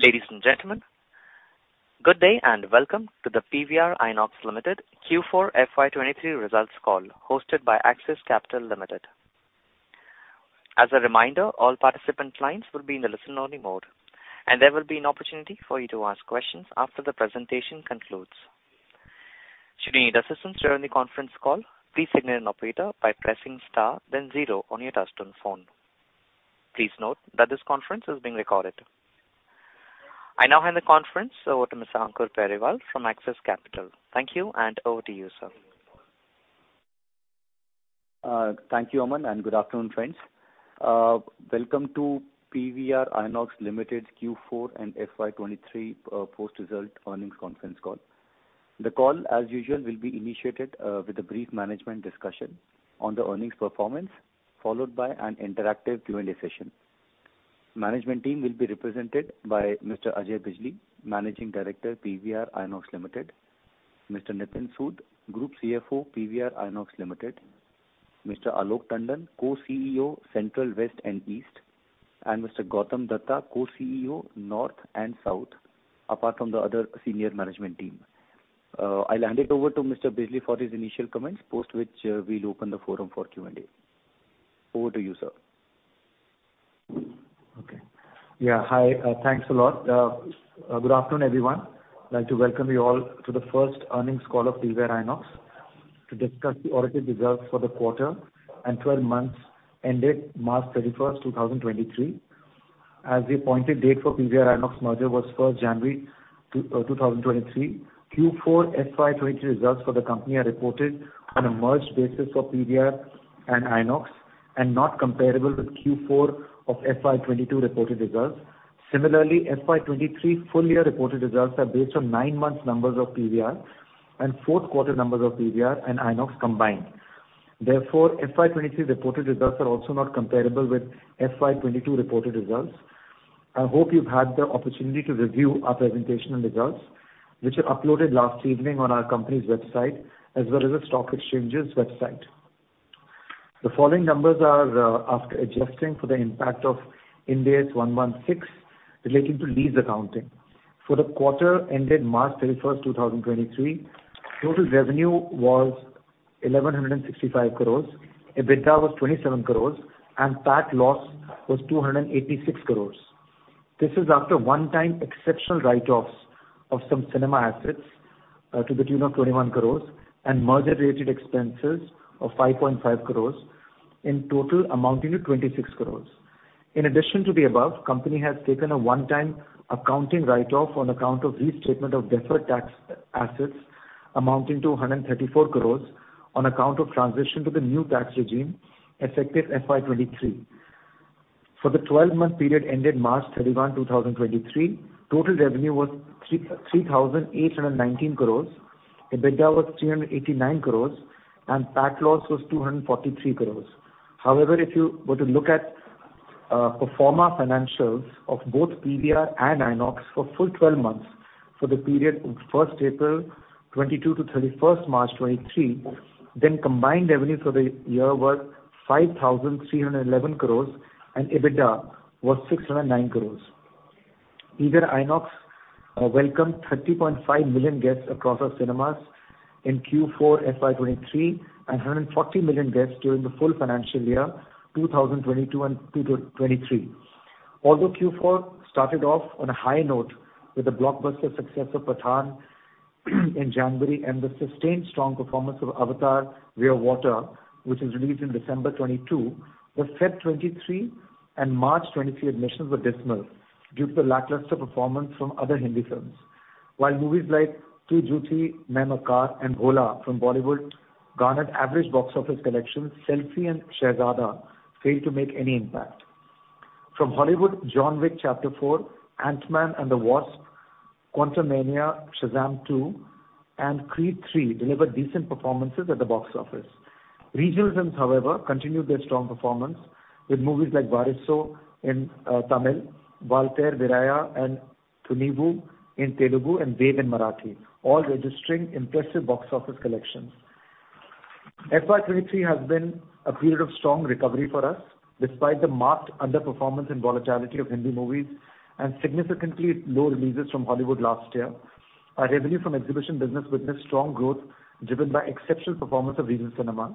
Ladies and gentlemen, good day and welcome to the PVR INOX Limited Q4 FY23 results call hosted by Axis Capital Limited. As a reminder, all participant clients will be in the listen-only mode, and there will be an opportunity for you to ask questions after the presentation concludes. Should you need assistance during the conference call, please signal an operator by pressing star then zero on your touchtone phone. Please note that this conference is being recorded. I now hand the conference over to Mr. Ankur Periwal from Axis Capital. Thank you and over to you, sir. Thank you, Aman, and good afternoon, friends. Welcome to PVR INOX Limited Q4 and FY 2023, post-result earnings conference call. The call, as usual, will be initiated with a brief management discussion on the earnings performance, followed by an interactive Q&A session. Management team will be represented by Mr. Ajay Bijli, Managing Director, PVR INOX Limited, Mr. Nitin Sood, Group CFO, PVR INOX Limited, Mr. Alok Tandon, Co-CEO, Central, West and East, and Mr. Gautam Dutta, Co-CEO, North and South, apart from the other senior management team. I'll hand it over to Mr. Bijli for his initial comments, post which, we'll open the forum for Q&A. Over to you, sir. Okay. Yeah. Hi. Thanks a lot. Good afternoon, everyone. I'd like to welcome you all to the first earnings call of PVR INOX to discuss the audited results for the quarter and 12 months ended March 31st, 2023. As the appointed date for PVR INOX merger was first January 2023, Q4 FY23 results for the company are reported on a merged basis for PVR and INOX and not comparable with Q4 of FY22 reported results. Similarly, FY23 full year reported results are based on 9 months numbers of PVR and fourth quarter numbers of PVR and INOX combined. FY23 reported results are also not comparable with FY22 reported results. I hope you've had the opportunity to review our presentation and results, which were uploaded last evening on our company's website, as well as the stock exchange's website. The following numbers are after adjusting for the impact of Ind AS 116 relating to lease accounting. For the quarter ended March 31st, 2023, total revenue was 1,165 crores. EBITDA was 27 crores, and PAT loss was 286 crores. This is after one-time exceptional write-offs of some cinema assets to the tune of 21 crores and merger-related expenses of 5.5 crores, in total amounting to 26 crores. In addition to the above, company has taken a one-time accounting write-off on account of restatement of deferred tax assets amounting to 134 crores on account of transition to the new tax regime effective FY 23. For the twelve-month period ended March 31, 2023, total revenue was 3,819 crores. EBITDA was 389 crores, and PAT loss was 243 crores. If you were to look at pro forma financials of both PVR and INOX for full 12 months for the period of April 1, 2022 to March 31, 2023, then combined revenues for the year were 5,311 crores, and EBITDA was 609 crores. INOX welcomed 30.5 million guests across our cinemas in Q4 FY23 and 140 million guests during the full financial year 2022 and 2023. Q4 started off on a high note with the blockbuster success of Pathaan in January and the sustained strong performance of Avatar: The Way of Water, which was released in December 2022, was February 2023 and March 2023 admissions were dismal due to the lackluster performance from other Hindi films. Movies like Tu Jhoothi Main Makkaar and Bholaa from Bollywood garnered average box office collections, Selfiee and Shehzada failed to make any impact. From Hollywood, John Wick: Chapter 4, Ant-Man and the Wasp: Quantumania, Shazam 2, and Creed III delivered decent performances at the box office. Regional films, however, continued their strong performance, with movies like Varisu in Tamil, Waltair Veerayya and Thunivu in Telugu and Ved in Marathi, all registering impressive box office collections. FY 2023 has been a period of strong recovery for us despite the marked underperformance and volatility of Hindi movies and significantly low releases from Hollywood last year. Our revenue from exhibition business witnessed strong growth driven by exceptional performance of regional cinema,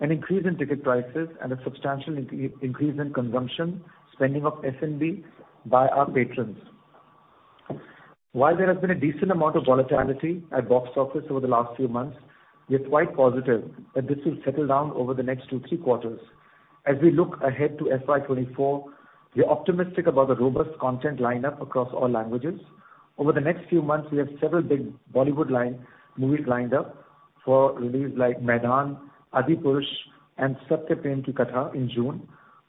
an increase in ticket prices, and a substantial increase in consumption spending of F&B by our patrons. There has been a decent amount of volatility at box office over the last few months, we're quite positive that this will settle down over the next two, three quarters. We look ahead to FY 2024, we're optimistic about the robust content lineup across all languages. Over the next few months, we have several big Bollywood movies lined up for release like Maidaan, Adipurush, and Satyaprem Ki Katha in June,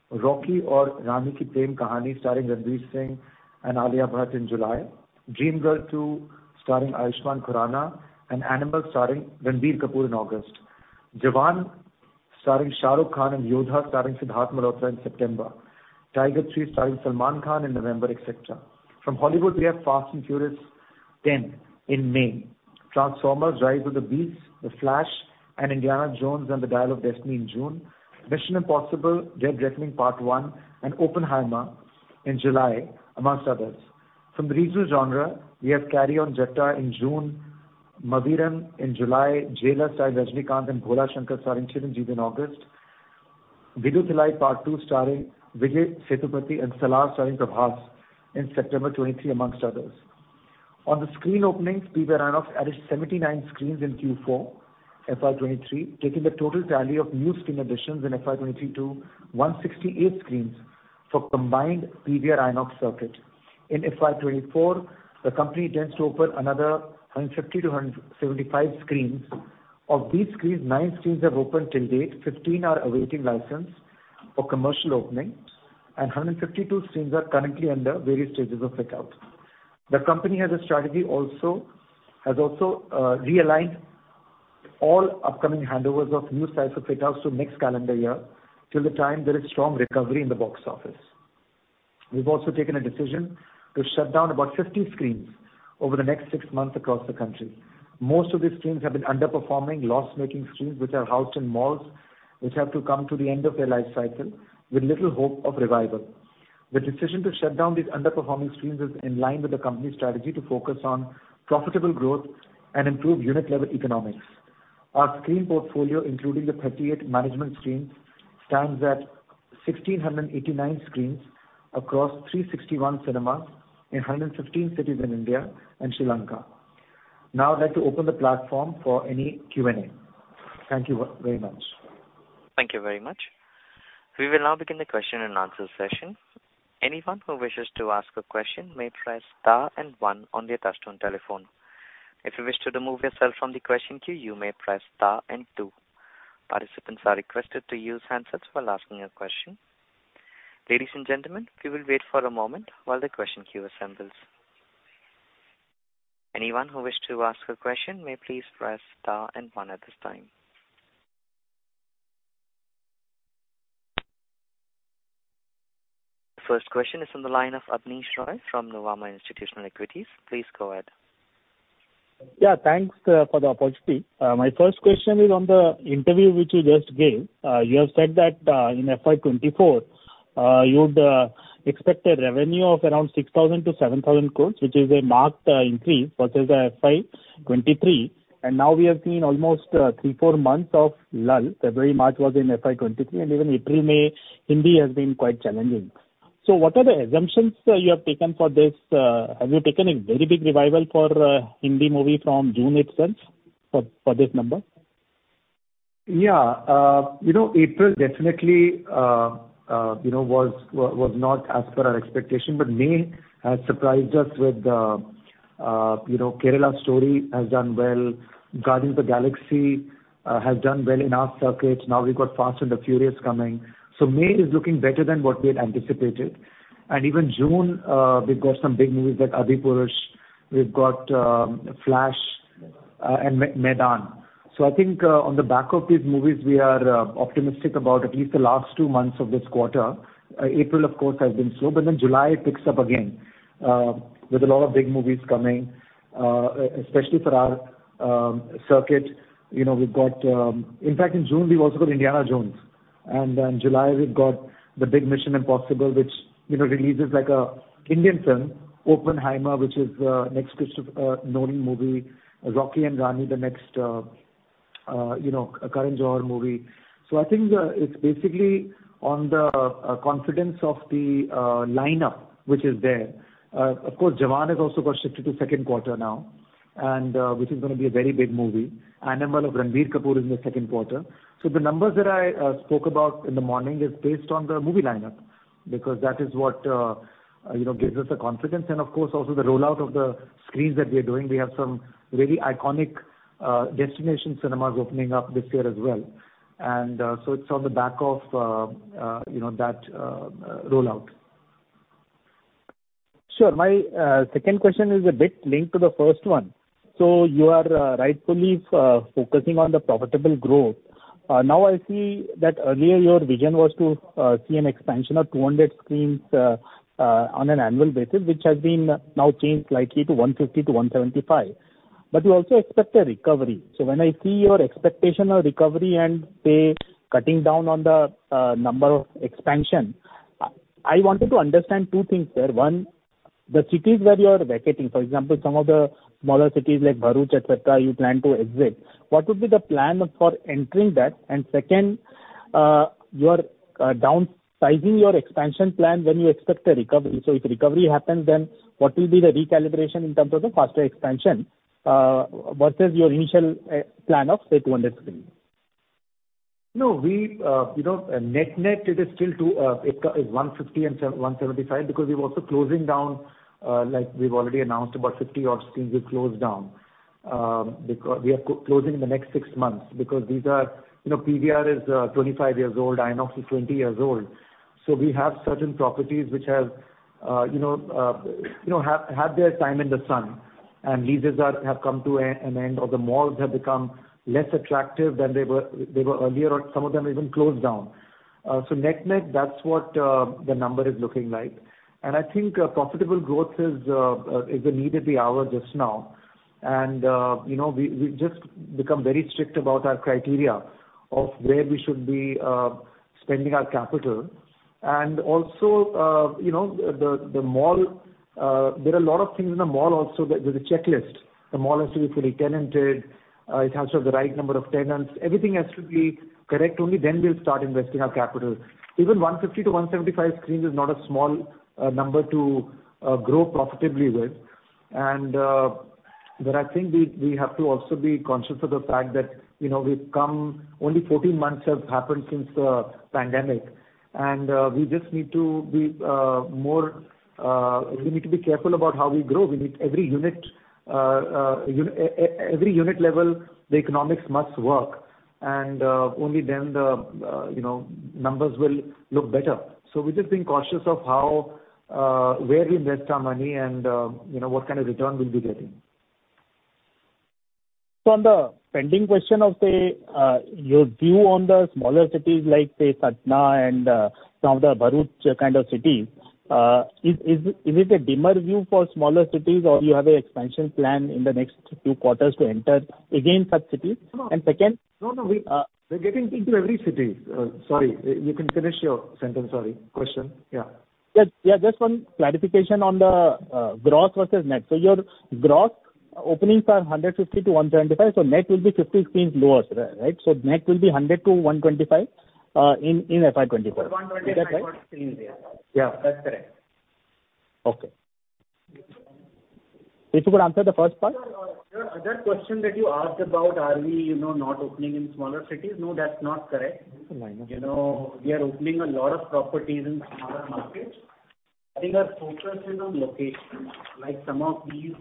Rocky Aur Rani Kii Prem Kahaani starring Ranveer Singh and Alia Bhatt in July. Dream Girl 2 starring Ayushmann Khurrana and Animal starring Ranbir Kapoor in August. Jawan starring Shah Rukh Khan and Yodha starring Sidharth Malhotra in September. Tiger 3 starring Salman Khan in November, et cetera. From Hollywood, we have Fast & Furious 10 in May. Transformers: Rise of the Beasts, The Flash, and Indiana Jones and the Dial of Destiny in June. Mission: Impossible – Dead Reckoning Part One, and Oppenheimer in July, amongst others. From the regional genre, we have Carry on Jatta in June, Maaveeran in July, Jailer starring Rajinikanth, and Bhola Shankar starring Chiranjeevi in August. Viduthalai Part 2 starring Vijay Sethupathi, and Salaar starring Prabhas in September 2023, amongst others. On the screen openings, PVR INOX added 79 screens in Q4 FY23, taking the total tally of new screen additions in FY23 to 168 screens for combined PVR INOX circuit. In FY24, the company intends to open another 150-175 screens. Of these screens, nine screens have opened till date, 15 are awaiting license for commercial opening, and 152 screens are currently under various stages of fit-out. The company has also realigned all upcoming handovers of new sites of fit-outs to next calendar year till the time there is strong recovery in the box office. We've also taken a decision to shut down about 50 screens over the next 6 months across the country. Most of these screens have been underperforming, loss-making screens which are housed in malls which have to come to the end of their life cycle with little hope of revival. The decision to shut down these underperforming screens is in line with the company's strategy to focus on profitable growth and improve unit level economics. Our screen portfolio, including the 38 management screens, stands at 1,689 screens across 361 cinemas in 115 cities in India and Sri Lanka. Now, I'd like to open the platform for any Q&A. Thank you very much. Thank you very much. We will now begin the question and answer session. Anyone who wishes to ask a question may press star and one on their touchtone telephone. If you wish to remove yourself from the question queue, you may press star and two. Participants are requested to use handsets while asking a question. Ladies and gentlemen, we will wait for a moment while the question queue assembles. Anyone who wish to ask a question may please press star and one at this time. First question is on the line of Abneesh Roy from Nuvama Institutional Equities. Please go ahead. Yeah. Thanks for the opportunity. My first question is on the interview which you just gave. You have said that in FY24, you'd expect a revenue of around 6,000 crore-7,000 crore, which is a marked increase versus FY23. Now we have seen almost three, four months of lull. February, March was in FY23. Even April, May, Hindi has been quite challenging. What are the assumptions you have taken for this? Have you taken a very big revival for Hindi movie from June itself for this number? Yeah. April definitely was not as per our expectation. May has surprised us with Kerala Story has done well. Guardians of the Galaxy has done well in our circuits. Now we've got Fast and the Furious coming. May is looking better than what we had anticipated. Even June, we've got some big movies like Adipurush. We've got Flash and Maidaan. I think, on the back of these movies, we are optimistic about at least the last two months of this quarter. April of course has been slow. July picks up again with a lot of big movies coming especially for our circuit. We've got. In June, we've also got Indiana Jones, and then July we've got the big Mission Impossible, which, you know, releases like a Indian film. Oppenheimer, which is next Nolan movie. Rocky and Rani, the next, you know, Karan Johar movie. I think, it's basically on the confidence of the lineup which is there. Of course, Jawan has also got shifted to second quarter now and, which is going to be a very big movie. Animal of Ranbir Kapoor is in the second quarter. The numbers that I spoke about in the morning is based on the movie lineup because that is what, you know, gives us the confidence and of course also the rollout of the screens that we are doing. We have some really iconic, destination cinemas opening up this year as well. It's on the back of, you know, that rollout. Sure. My second question is a bit linked to the first one. You are rightfully focusing on the profitable growth. Now I see that earlier your vision was to see an expansion of 200 screens on an annual basis, which has been now changed slightly to 150-175. But you also expect a recovery. When I see your expectation of recovery and say cutting down on the number of expansion, I wanted to understand two things there. One, the cities where you are vacating, for example, some of the smaller cities like Bharuch, etc., you plan to exit. What would be the plan for entering that? And second, you are downsizing your expansion plan when you expect a recovery. If recovery happens, then what will be the recalibration in terms of the faster expansion versus your initial plan of, say, 200 screens? No, we, you know, net-net it is still 2, it's 150 and 175 because we're also closing down, like we've already announced about 50 odd screens we've closed down. We are closing in the next 6 months because these are, you know, PVR is 25 years old, INOX is 20 years old. We have certain properties which have, you know, had their time in the sun and leases have come to an end or the malls have become less attractive than they were earlier on. Some of them even closed down. Net-net, that's what the number is looking like. I think profitable growth is the need of the hour just now. You know, we've just become very strict about our criteria of where we should be spending our capital. Also, you know, the mall, there are a lot of things in the mall also that there's a checklist. The mall has to be fully tenanted, it has to have the right number of tenants. Everything has to be correct, only then we'll start investing our capital. Even 150 to 175 screens is not a small number to grow profitably with. I think we have to also be conscious of the fact that, you know, only 14 months have happened since the pandemic, we just need to be more, we need to be careful about how we grow. We need every unit. Every unit level, the economics must work, and only then the, you know, numbers will look better. We're just being cautious of how, where we invest our money and, you know, what kind of return we'll be getting. On the pending question of, say, your view on the smaller cities like, say, Lucknow and, some of the Bharuch kind of cities, is it a dimmer view for smaller cities or you have a expansion plan in the next few quarters to enter again such cities? No. And second? No, no. We're getting into every city. Sorry, you can finish your sentence. Sorry. Question. Yeah. Yes. Just one clarification on the gross versus net. Your gross openings are 150-175, net will be 50 screens lower, right? Net will be 100-125 in FY 2024. 120-125 screens, yeah. Is that right? Yeah, that's correct. Please you could answer the first part? Your other question that you asked about, are we, you know, not opening in smaller cities? No, that's not correct. No. You know, we are opening a lot of properties in smaller markets. I think our focus is on locations, like some of these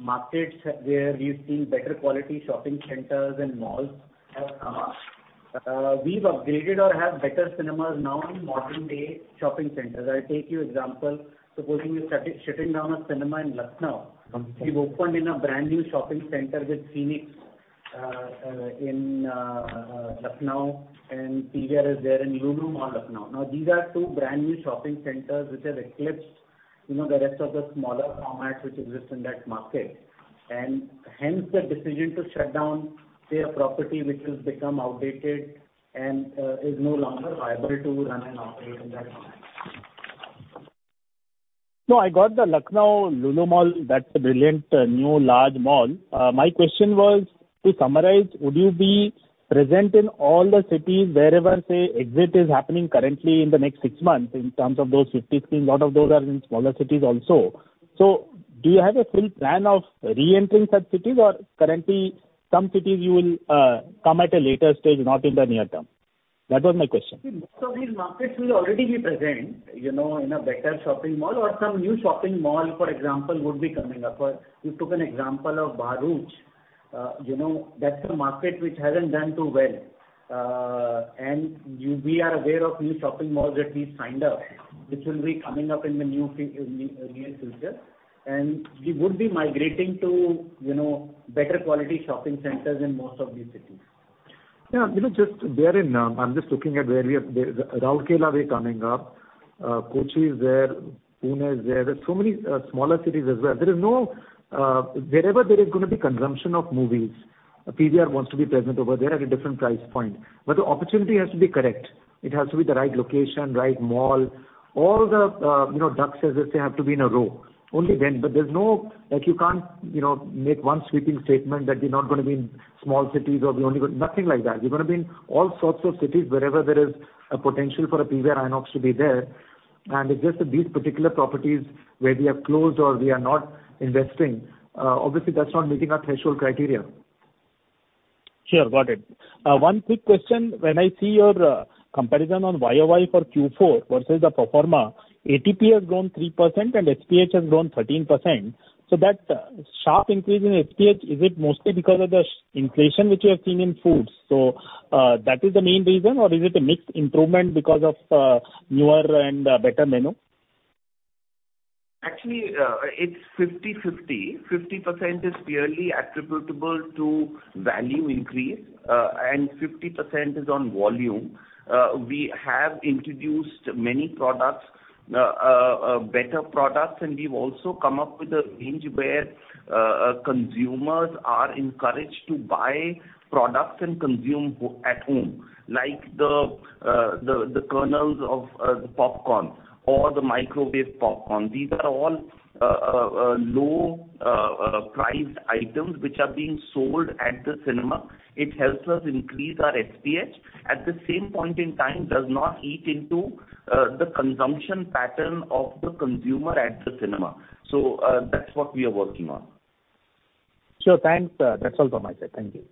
markets where we've seen better quality shopping centers and malls have come up. We've upgraded or have better cinemas now in modern-day shopping centers. I'll take you example, supposing we're shutting down a cinema in Lucknow. We've opened in a brand new shopping center with Phoenix in Lucknow and PVR is there in Lulu Mall, Lucknow. These are two brand new shopping centers which have eclipsed, you know, the rest of the smaller formats which exist in that market. Hence the decision to shut down their property which has become outdated and is no longer viable to run and operate in that format. No, I got the Lucknow Lulu Mall, that brilliant new large mall. My question was, to summarize, would you be present in all the cities wherever, say, exit is happening currently in the next six months in terms of those 50 screens? A lot of those are in smaller cities also. Do you have a full plan of reentering such cities or currently some cities you will come at a later stage, not in the near term? That was my question. See, most of these markets we'll already be present, you know, in a better shopping mall or some new shopping mall, for example, would be coming up. You took an example of Bharuch. You know, that's a market which hasn't done too well. We are aware of new shopping malls that we've signed up, which will be coming up in the near future. We would be migrating to, you know, better quality shopping centers in most of these cities. You know, just therein, I'm just looking at where we are. Raigad they're coming up. Kochi is there. Pune is there. There's so many smaller cities as well. There is no. Wherever there is going to be consumption of movies, PVR wants to be present over there at a different price point. The opportunity has to be correct. It has to be the right location, right mall, all the, you know, ducks, as they say, have to be in a row. Only then. There's no. Like you can't, you know, make one sweeping statement that we're not going to be in small cities or we only go. Nothing like that. We're going to be in all sorts of cities wherever there is a potential for a PVR INOX to be there. It's just that these particular properties where we have closed or we are not investing, obviously that's not meeting our threshold criteria. Sure. Got it. One quick question. When I see your comparison on YOY for Q4 versus the pro forma, ATP has grown 3% and SPH has grown 13%. That sharp increase in SPH, is it mostly because of the inflation which you have seen in foods, that is the main reason, or is it a mixed improvement because of newer and better menu? It's 50/50. 50% is purely attributable to value increase, and 50% is on volume. We have introduced many products, better products, and we've also come up with a range where consumers are encouraged to buy products and consume at home, like the kernels of the popcorn or the microwave popcorn. These are all low-priced items which are being sold at the cinema. It helps us increase our SPH. At the same point in time, does not eat into the consumption pattern of the consumer at the cinema. That's what we are working on. Sure. Thanks. That's all from my side. Thank you.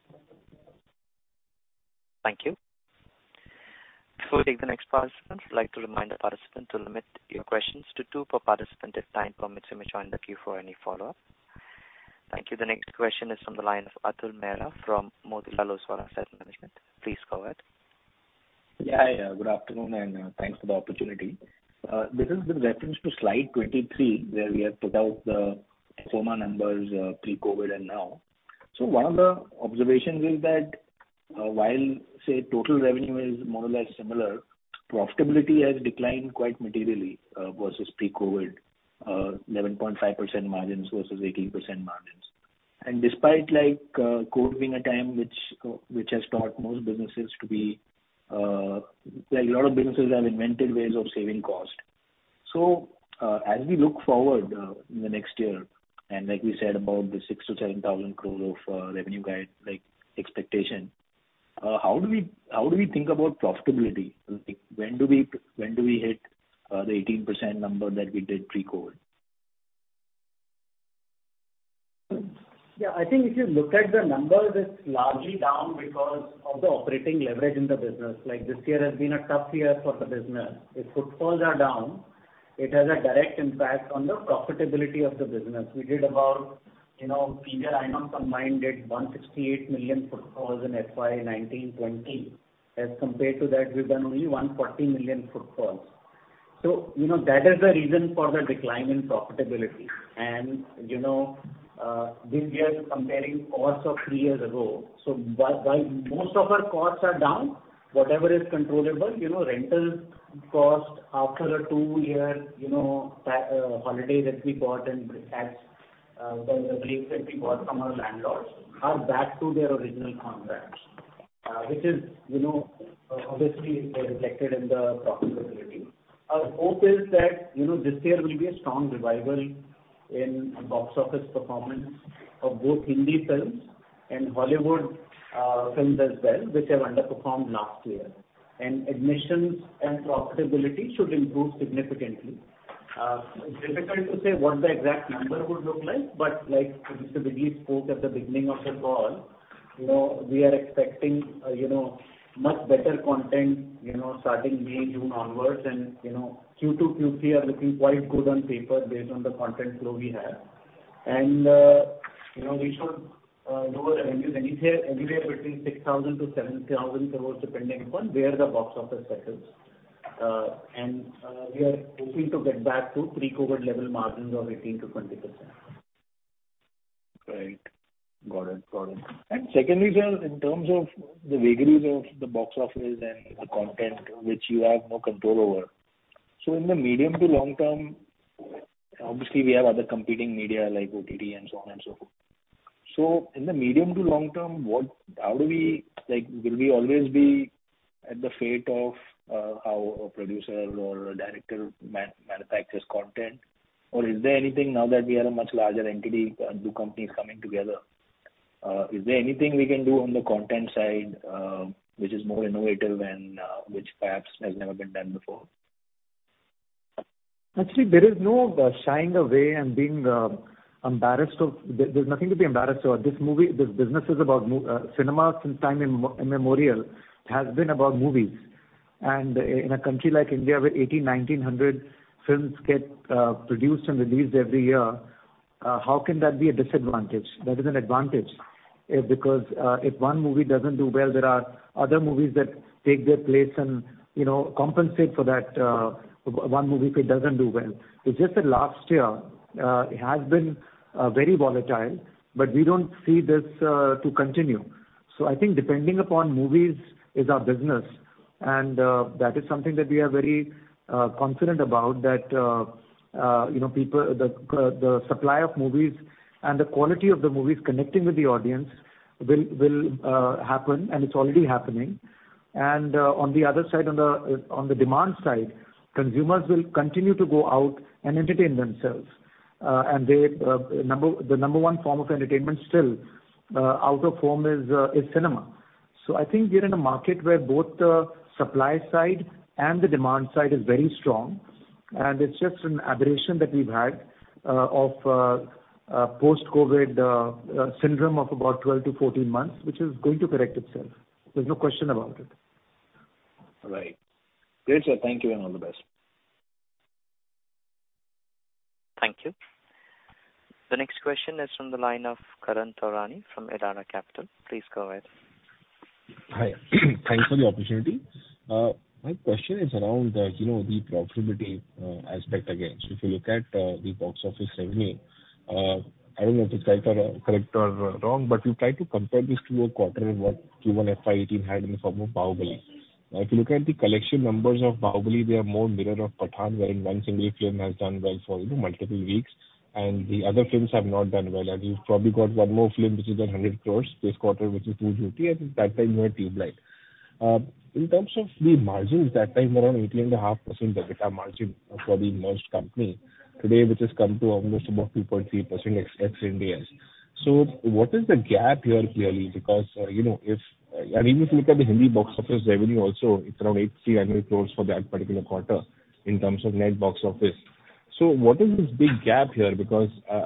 Thank you. Before we take the next participant, I'd like to remind the participant to limit your questions to two per participant. If time permits, you may join the queue for any follow-up. Thank you. The next question is from the line of Atul Mehra from Motilal Oswal Asset Management. Please go ahead. Yeah, yeah. Good afternoon, and thanks for the opportunity. This is with reference to slide 23, where we have put out the SOMA numbers pre-COVID and now. One of the observations is that, while, say, total revenue is more or less similar, profitability has declined quite materially versus pre-COVID, 11.5% margins versus 18% margins. Despite like COVID being a time which has taught most businesses to be. A lot of businesses have invented ways of saving cost. As we look forward in the next year, and like we said about the 6,000-7,000 crore of revenue guide, like, expectation, how do we, how do we think about profitability? Like, when do we when do we hit the 18% number that we did pre-COVID? Yeah, I think if you look at the numbers, it's largely down because of the operating leverage in the business. Like, this year has been a tough year for the business. If footfalls are down, it has a direct impact on the profitability of the business. We did about PVR INOX combined did 168 million footfalls in FY 2019-2020. As compared to that, we've done only 140 million footfalls. That is the reason for the decline in profitability. This year comparing costs of 3 years ago. While most of our costs are down, whatever is controllable, rental cost after a 2-year holiday that we got and tax the breaks that we got from our landlords are back to their original contracts. Which is obviously they're reflected in the profitability. Our hope is that this year will be a strong revival in box office performance of both Hindi films and Hollywood films as well, which have underperformed last year. Admissions and profitability should improve significantly. It's difficult to say what the exact number would look like, but like Mr. Bijli spoke at the beginning of the call, we are expecting much better content starting May, June onwards. Q2, Q3 are looking quite good on paper based on the content flow we have. We should lower revenues anywhere between 6,000-7,000 crores, depending upon where the box office settles. We are hoping to get back to pre-COVID level margins of 18%-20%. Right. Got it. Got it. Secondly, sir, in terms of the vagaries of the box office and the content which you have no control over, so in the medium to long term, obviously we have other competing media like OTT and so on and so forth. In the medium to long term, will we always be at the fate of how a producer or a director manufactures content? Or is there anything now that we are a much larger entity, two companies coming together, is there anything we can do on the content side, which is more innovative and which perhaps has never been done before? Actually, there is no shying away and being embarrassed of. There's nothing to be embarrassed about. This business is about cinema since time immemorial has been about movies. In a country like India, where 1,800-1,900 films get produced and released every year, how can that be a disadvantage? That is an advantage because if one movie doesn't do well, there are other movies that take their place and, you know, compensate for that one movie if it doesn't do well. It's just that last year, it has been very volatile, we don't see this to continue. I think depending upon movies is our business, and that is something that we are very confident about, that, you know, people. The supply of movies and the quality of the movies connecting with the audience will happen, and it's already happening. On the other side, on the demand side, consumers will continue to go out and entertain themselves. And they, number. The number one form of entertainment still out of home is cinema. I think we're in a market where both the supply side and the demand side is very strong, and it's just an aberration that we've had of a post-COVID syndrome of about 12 to 14 months, which is going to correct itself. There's no question about it. Right. Great, sir. Thank you and all the best. Thank you. The next question is from the line of Karan Taurani from Elara Capital. Please go ahead. Hi. Thanks for the opportunity. My question is around, you know, the profitability aspect again. If you look at the box office revenue, I don't know if it's right or, correct or, wrong, but you try to compare this to a quarter in what Q1 FY18 had in the form of Baahubali. If you look at the collection numbers of Baahubali, they are more mirror of Pathaan, wherein one single film has done well for, you know, multiple weeks, and the other films have not done well. You've probably got one more film which is at 100 crores this quarter, which is 2.0, and at that time you had T-Series. In terms of the margins, that time around 18.5% EBITDA margin for the merged company. Today, which has come to almost about 2.3% ex-Ind AS. What is the gap here clearly? You know, even if you look at the Hindi box office revenue also, it's around 8,300 crores for that particular quarter in terms of net box office. What is this big gap here?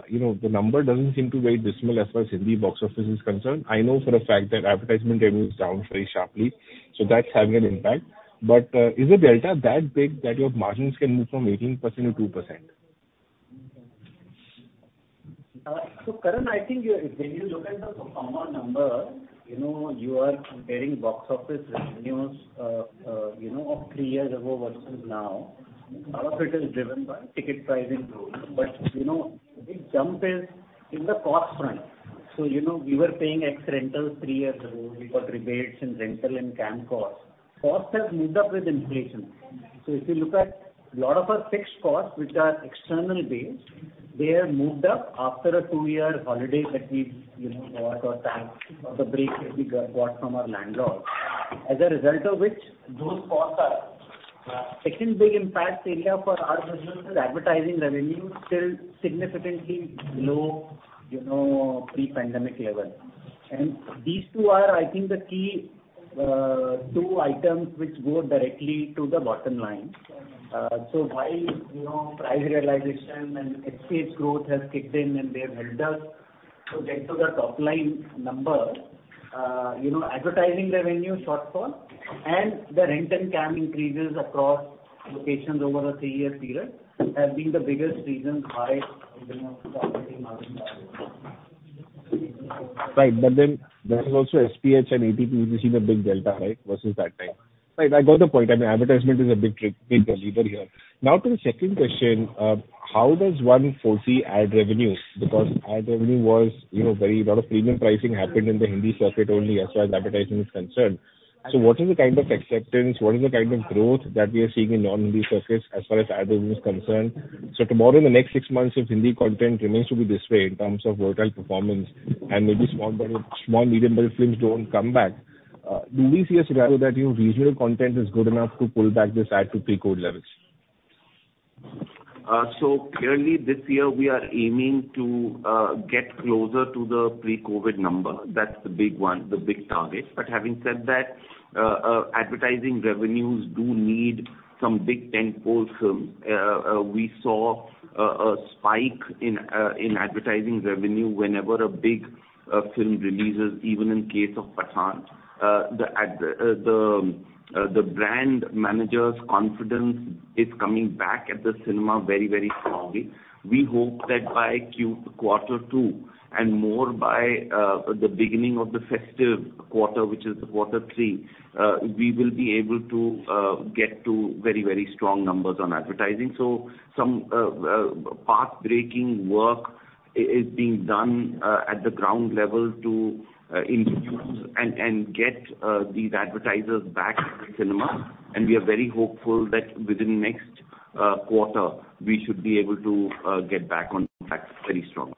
You know, the number doesn't seem to weigh dismal as far as Hindi box office is concerned. I know for a fact that advertisement revenue is down very sharply, so that's having an impact. Is the delta that big that your margins can move from 18% to 2%? Karan, I think When you look at the pro forma number. You know, you are comparing box office revenues, you know, of 3 years ago versus now. A lot of it is driven by ticket pricing growth. You know, the big jump is in the cost front. You know, we were paying X rentals 3 years ago. We got rebates in rental and CAM costs. Costs have moved up with inflation. If you look at a lot of our fixed costs, which are external based, they have moved up after a 2-year holiday that we, you know, got or time or the break that we got from our landlords. As a result of which, those costs are up. Second big impact area for our business is advertising revenue, still significantly below, you know, pre-pandemic level. These two are, I think, the key two items which go directly to the bottom line. While, you know, price realization and entrance growth has kicked in and they have helped us to get to the top line number, you know, advertising revenue shortfall and the rent and CAM increases across locations over a three-year period have been the biggest reasons why, the operating margin are low. Right. There is also SPH and ATP, we see the big delta, right, versus that time. Right. I got the point. I mean, advertisement is a big driver here. To the second question, how does one foresee ad revenues? Ad revenue was, you know, lot of premium pricing happened in the Hindi circuit only as far as advertising is concerned. What is the kind of acceptance, what is the kind of growth that we are seeing in non-Hindi circuits as far as ad revenue is concerned? Tomorrow, in the next 6 months, if Hindi content remains to be this way in terms of volatile performance and maybe small medium build films don't come back, do we see a scenario that, you know, regional content is good enough to pull back this ad to pre-COVID levels? Clearly this year we are aiming to get closer to the pre-COVID number. That's the big one, the big target. Having said that, advertising revenues do need some big tentpole films. We saw a spike in advertising revenue whenever a big film releases, even in case of Pathaan. The brand managers' confidence is coming back at the cinema very, very strongly. We hope that by quarter two and more by the beginning of the festive quarter, which is the quarter three, we will be able to get to very, very strong numbers on advertising. Some path breaking work is being done at the ground level to influence and get these advertisers back to the cinema. We are very hopeful that within next quarter, we should be able to get back on track very strong.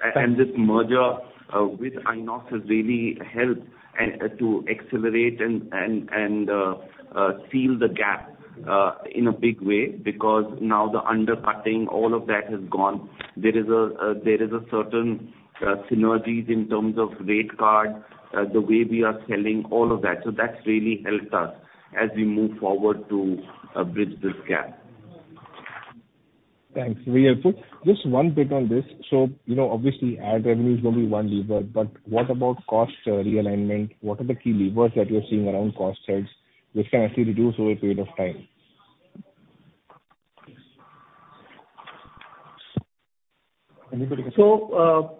This merger with INOX has really helped to accelerate and seal the gap in a big way because now the undercutting, all of that has gone. There is a certain synergies in terms of rate card, the way we are selling all of that. That's really helped us as we move forward to bridge this gap. Thanks. Very helpful. Just one bit on this. You know, obviously ad revenue is going to be one lever, but what about cost realignment? What are the key levers that you're seeing around cost heads which can actually reduce over a period of time? Anybody can take.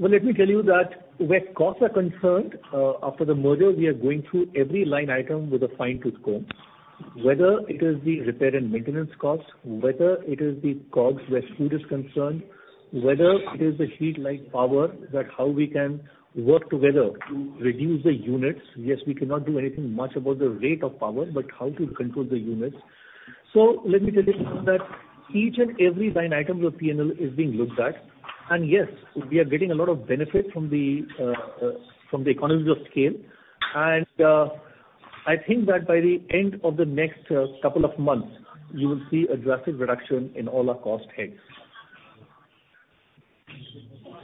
Well, let me tell you that where costs are concerned, after the merger, we are going through every line item with a fine-tooth comb. Whether it is the repair and maintenance costs, whether it is the COGS where food is concerned, whether it is the heat like power, that how we can work together to reduce the units. Yes, we cannot do anything much about the rate of power, but how to control the units. Let me tell you that each and every line item of P&L is being looked at. Yes, we are getting a lot of benefit from the economies of scale. I think that by the end of the next couple of months, you will see a drastic reduction in all our cost heads.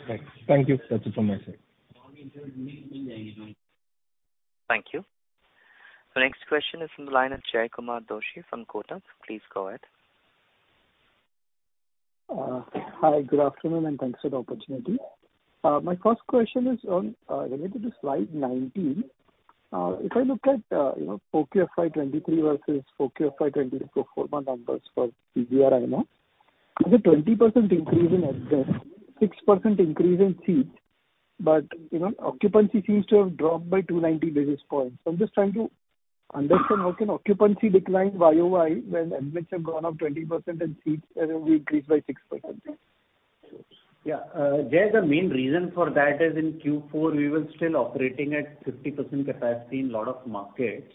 Thanks. Thank you. That's it from my side. Thank you. The next question is from the line of Jaykumar Doshi from Kotak. Please go ahead. Hi, good afternoon, thanks for the opportunity. My first question is on related to slide 19. If I look at, you know, 4Q FY23 versus 4Q FY22 pro forma numbers for PVR and INOX. There's a 20% increase in admissions, 6% increase in seats, but, you know, occupancy seems to have dropped by 290 basis points. I'm just trying to understand how can occupancy decline YOY when admits have gone up 20% and seats, we increased by 6%. Yeah. Jay, the main reason for that is in Q4, we were still operating at 50% capacity in a lot of markets.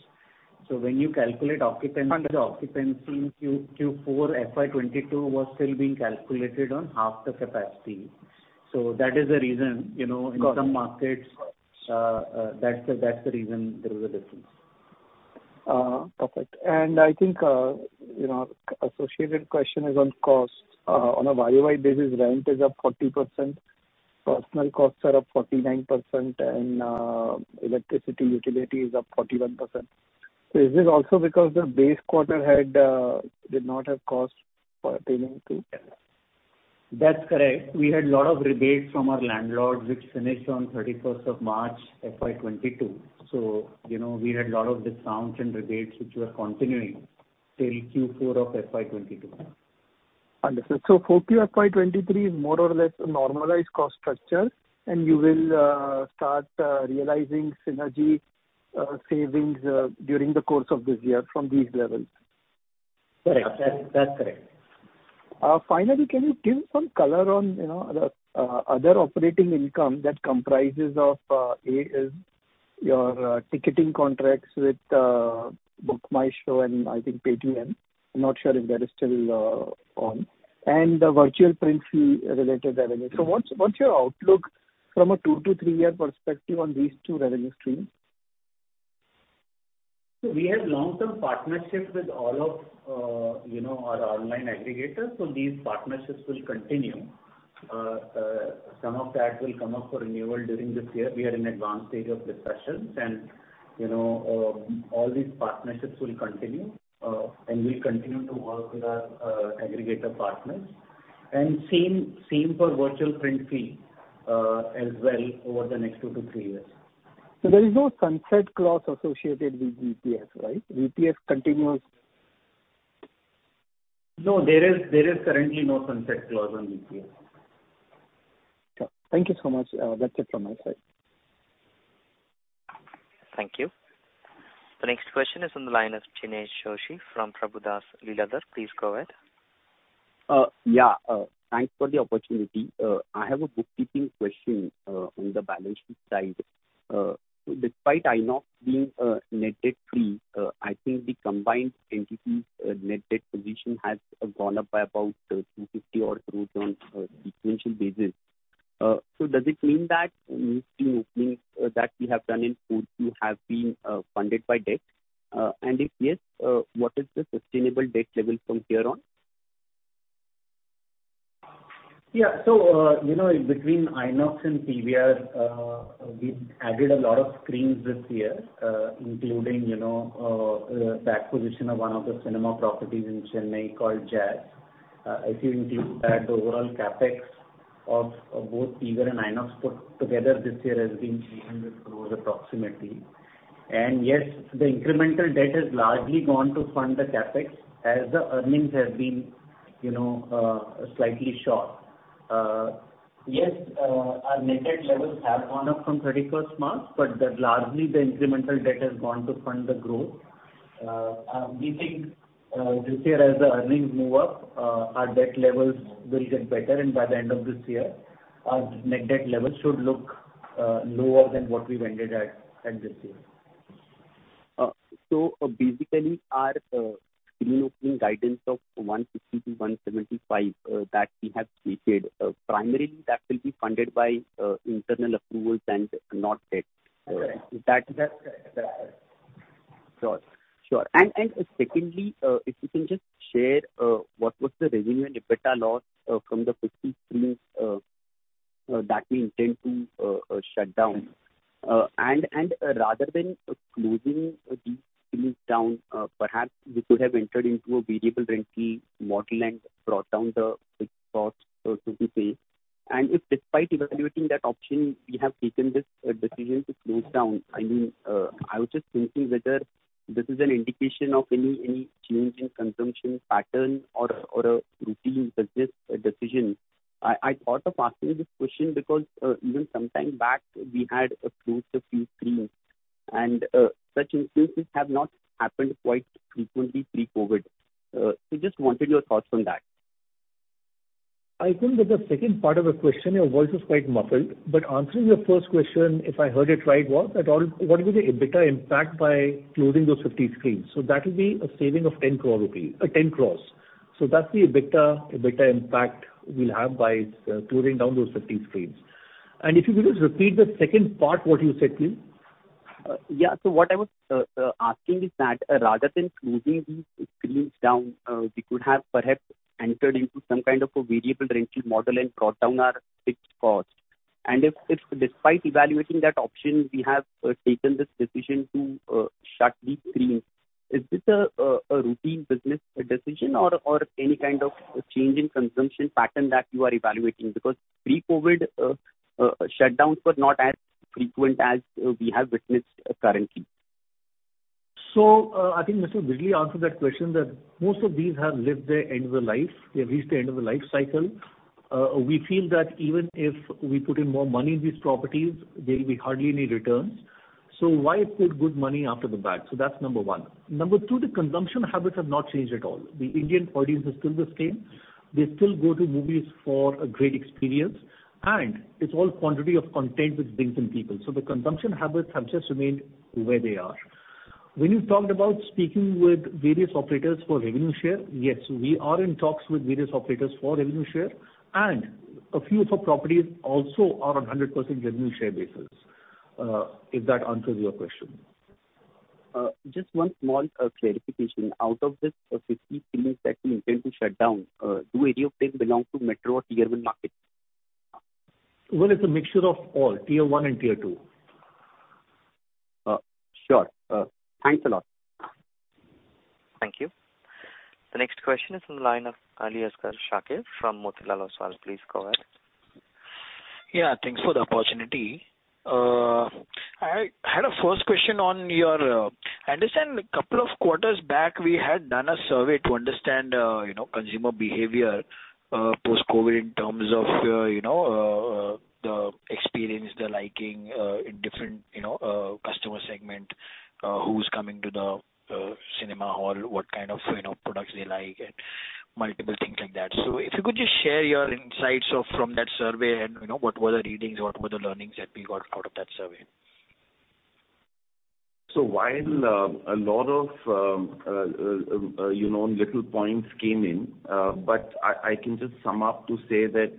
when you calculate occupancy. Understood. The occupancy in Q4 FY22 was still being calculated on half the capacity. That is the reason, you know. Got it. In some markets, that's the reason there is a difference. Perfect. I think, you know, associated question is on costs. On a YOY basis, rent is up 40%, personal costs are up 49%, and electricity utility is up 41%. Is this also because the base quarter had did not have costs pertaining to? That's correct. We had a lot of rebates from our landlords which finished on 31st of March, FY22. you know, we had a lot of discounts and rebates which were continuing till Q4 of FY22. Understood. For QFY 23, more or less a normalized cost structure, and you will start realizing synergy savings during the course of this year from these levels. Correct. That's correct. Finally, can you give some color on, you know, other operating income that comprises of, A is your, ticketing contracts with, BookMyShow and I think Paytm. I'm not sure if that is still on, and the Virtual Print Fee related revenue. What's, what's your outlook from a 2-3-year perspective on these two revenue streams? We have long-term partnerships with all of, you know, our online aggregators, so these partnerships will continue. Some of that will come up for renewal during this year. We are in advanced stage of discussions and, you know, all these partnerships will continue, and we continue to work with our aggregator partners. Same for Virtual Print Fee as well over the next two to three years. There is no sunset clause associated with VPF, right? VPF continues... No, there is currently no sunset clause on VPF. Sure. Thank you so much. That's it from my side. Thank you. The next question is on the line of Jinesh Joshi from Prabhudas Lilladher. Please go ahead. Yeah. Thanks for the opportunity. I have a bookkeeping question, on the balance sheet side. Despite INOX being net debt free, I think the combined entity's net debt position has gone up by about 250 odd crores on sequential basis. Does it mean that new screen openings that we have done in Q2 have been funded by debt? If yes, what is the sustainable debt level from here on? You know, between INOX and PVR, we added a lot of screens this year, including, you know, the acquisition of one of the cinema properties in Chennai called Jazz Cinemas. If you include that, the overall CapEx of both PVR and INOX put together this year has been INR 300 crores approximately. Yes, the incremental debt has largely gone to fund the CapEx as the earnings have been, you know, slightly short. Yes, our net debt levels have gone up from 31st March, that largely the incremental debt has gone to fund the growth. We think this year as the earnings move up, our debt levels will get better, by the end of this year, our net debt levels should look lower than what we've ended at this year. Basically our screen opening guidance of 160-175, that we have stated, primarily that will be funded by internal approvals and not debt. Correct. That's correct. Sure. Sure. Secondly, if you can just share what was the revenue and EBITDA loss from the 50 screens that we intend to shut down. Rather than closing these screens down, perhaps we could have entered into a variable rental model and brought down the fixed costs, so to say. If despite evaluating that option, we have taken this decision to close down, I mean, I was just thinking whether this is an indication of any change in consumption pattern or a routine business decision. I thought of asking this question because even some time back we had closed a few screens and such instances have not happened quite frequently pre-COVID. Just wanted your thoughts on that. I think that the second part of the question, your voice was quite muffled. Answering your first question, if I heard it right, was at all what was the EBITDA impact by closing those 50 screens? That will be a saving of 10 crores rupees. That's the EBITDA impact we'll have by, closing down those 50 screens. If you could just repeat the second part, what you said, please. Yeah. What I was asking is that rather than closing these screens down, we could have perhaps entered into some kind of a variable rental model and brought down our fixed costs. If despite evaluating that option, we have taken this decision to shut these screens, is this a routine business decision or any kind of change in consumption pattern that you are evaluating? Pre-COVID, shutdowns were not as frequent as we have witnessed currently. I think Mr. Bijli answered that question that most of these have lived their end of the life. They've reached the end of the life cycle. We feel that even if we put in more money in these properties, there'll be hardly any returns. Why put good money after the bad? That's number one. Number two, the consumption habits have not changed at all. The Indian audience is still the same. They still go to movies for a great experience, and it's all quantity of content which brings in people. The consumption habits have just remained where they are. When you talked about speaking with various operators for revenue share, yes, we are in talks with various operators for revenue share, and a few of our properties also are on 100% revenue share basis. If that answers your question. Just one small clarification. Out of this 50 screens that you intend to shut down, do any of them belong to metro or Tier One markets? Well, it's a mixture of all, Tier One and Tier Two. Sure. Thanks a lot. Thank you. The next question is from the line of Alisgar Shakir from Motilal Oswal. Please go ahead. Yeah, thanks for the opportunity. I had a first question on your. Understand a couple of quarters back, we had done a survey to understand, you know, consumer behavior, post-COVID in terms of, you know, the experience, the liking, in different, you know, customer segment, who's coming to the cinema hall, what kind of, you know, products they like and multiple things like that. If you could just share your insights of from that survey and, you know, what were the readings, what were the learnings that we got out of that survey? While a lot of, you know, little points came in, but I can just sum up to say that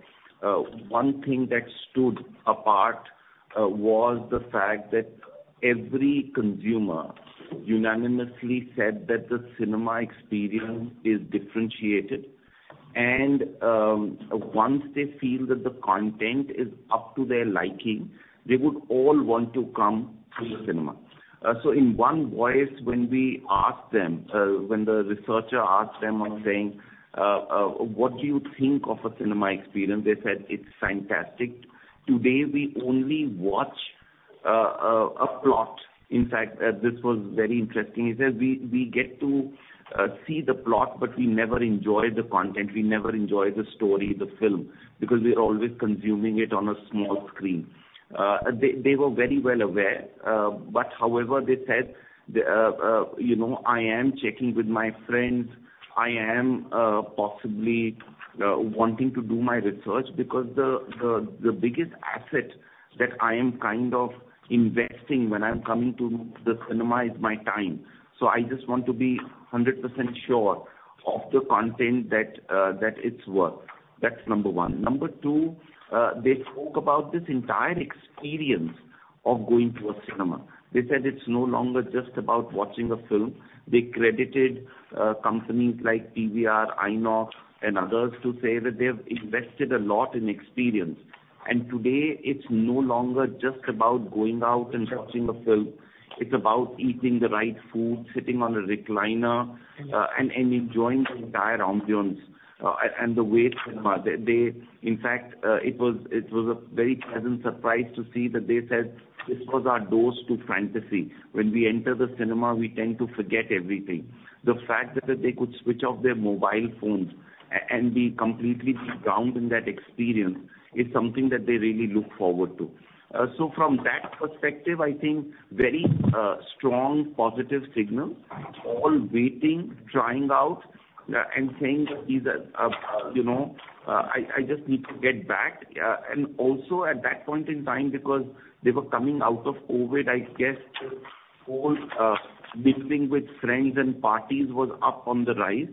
one thing that stood apart was the fact that every consumer unanimously said that the cinema experience is differentiated. Once they feel that the content is up to their liking, they would all want to come to the cinema. In one voice, when we asked them, when the researcher asked them on saying, what do you think of a cinema experience, they said it's fantastic. Today, we only watch a plot. This was very interesting, is that we get to see the plot, but we never enjoy the content. We never enjoy the story, the film, because we're always consuming it on a small screen. They were very well aware. However, they said, you know, I am checking with my friends. I am possibly wanting to do my research because the biggest asset that I am kind of investing when I'm coming to the cinema is my time. I just want to be 100% sure of the content that it's worth. That's number 1. Number 2, they spoke about this entire experience of going to a cinema. They said it's no longer just about watching a film. They credited companies like PVR, INOX, and others to say that they have invested a lot in experience. Today it's no longer just about going out and watching a film. It's about eating the right food, sitting on a recliner, and enjoying the entire ambiance and the way cinema. They In fact, it was a very pleasant surprise to see that they said, "This was our doors to fantasy. When we enter the cinema, we tend to forget everything." The fact that they could switch off their mobile phones and be completely drowned in that experience is something that they really look forward to. From that perspective, I think very strong positive signal, all waiting, trying out and saying that these are, you know, I just need to get back. Also at that point in time, because they were coming out of COVID, I guess the whole meeting with friends and parties was up on the rise.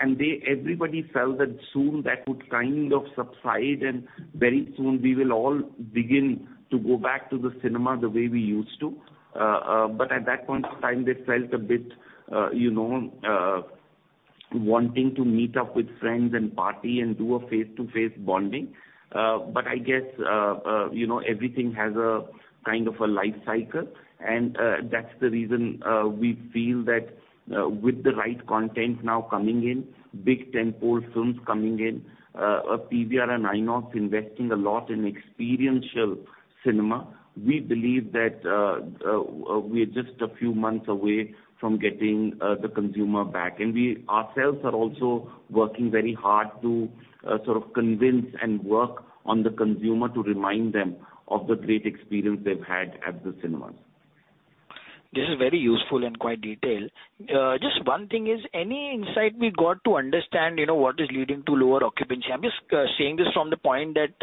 Everybody felt that soon that would kind of subside, and very soon we will all begin to go back to the cinema the way we used to. At that point in time, they felt a bit, you know, wanting to meet up with friends and party and do a face-to-face bonding. I guess, you know, everything has a kind of a life cycle. That's the reason we feel that with the right content now coming in, big tentpole films coming in, PVR and INOX investing a lot in experiential cinema, we believe that we're just a few months away from getting the consumer back. We ourselves are also working very hard to sort of convince and work on the consumer to remind them of the great experience they've had at the cinemas. This is very useful and quite detailed. Just one thing is, any insight we got to understand, you know, what is leading to lower occupancy? I'm just saying this from the point that,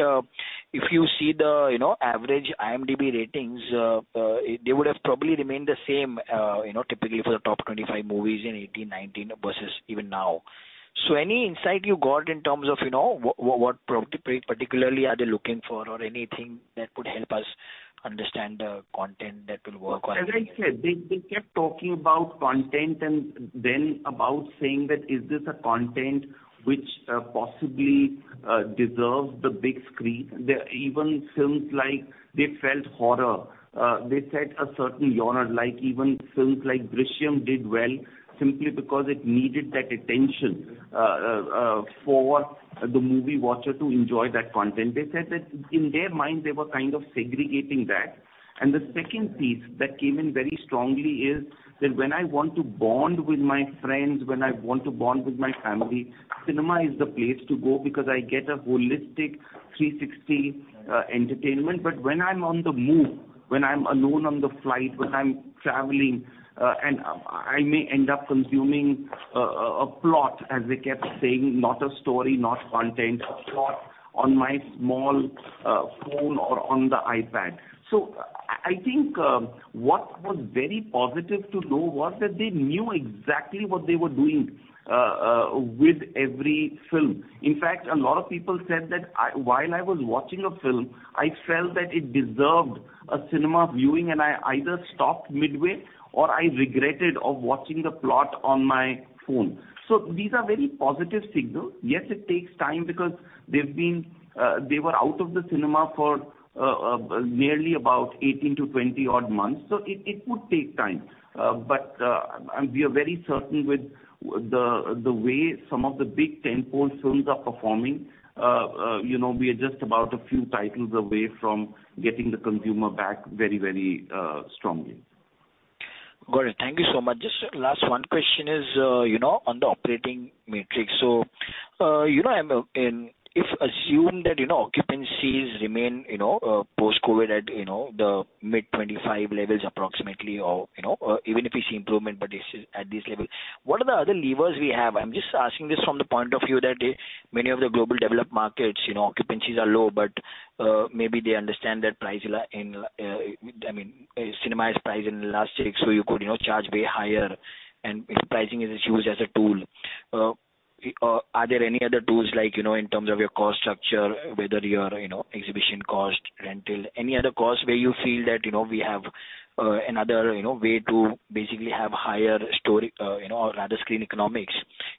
if you see the, you know, average IMDb ratings, they would have probably remained the same, you know, typically for the top 25 movies in 18, 19 versus even now. Any insight you got in terms of, you know, what particularly are they looking for or anything that would help us understand the content that will work well? As I said, they kept talking about content and then about saying that is this a content which possibly deserves the big screen. There are even films like they felt horror. They set a certain genre. Like even films like Drishyam did well simply because it needed that attention for the movie watcher to enjoy that content. They said that in their mind, they were kind of segregating that. The second piece that came in very strongly is that when I want to bond with my friends, when I want to bond with my family, cinema is the place to go because I get a holistic 360 entertainment. When I'm on the move, when I'm alone on the flight, when I'm traveling, I may end up consuming a plot, as they kept saying, not a story, not content, a plot on my small phone or on the iPad. I think what was very positive to know was that they knew exactly what they were doing with every film. In fact, a lot of people said that while I was watching a film, I felt that it deserved a cinema viewing, and I either stopped midway or I regretted of watching the plot on my phone. These are very positive signals. Yes, it takes time because they've been, they were out of the cinema for Nearly about 18 to 20 odd months. It would take time. But we are very certain with the way some of the big tentpole films are performing, you know, we are just about a few titles away from getting the consumer back very, very strongly. Got it. Thank you so much. Just last one question is, you know, on the operating matrix. You know, I'm, if assume that, you know, occupancies remain, you know, post-COVID at, you know, the mid-25 levels approximately or, you know, even if we see improvement, but this is at this level, what are the other levers we have? I'm just asking this from the point of view that many of the global developed markets, you know, occupancies are low, but maybe they understand that price, I mean, cinema is priced inelastic, so you could, you know, charge way higher and if pricing is used as a tool. Are there any other tools like, you know, in terms of your cost structure, whether your, you know, exhibition cost, rental, any other cost where you feel that, you know, we have another, you know, way to basically have higher storage, you know, or rather screen economics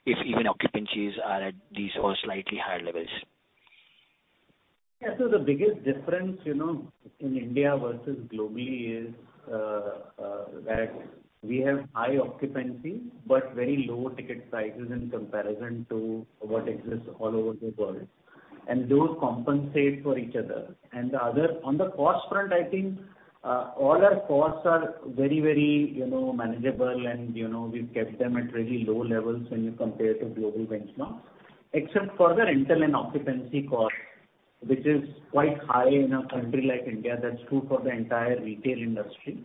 if even occupancies are at these or slightly higher levels? Yeah. The biggest difference, you know, in India versus globally is that we have high occupancy, but very low ticket prices in comparison to what exists all over the world. Those compensate for each other. On the cost front, I think, all our costs are very, very, you know, manageable and, you know, we've kept them at really low levels when you compare to global benchmarks, except for the rental and occupancy cost, which is quite high in a country like India. That's true for the entire retail industry.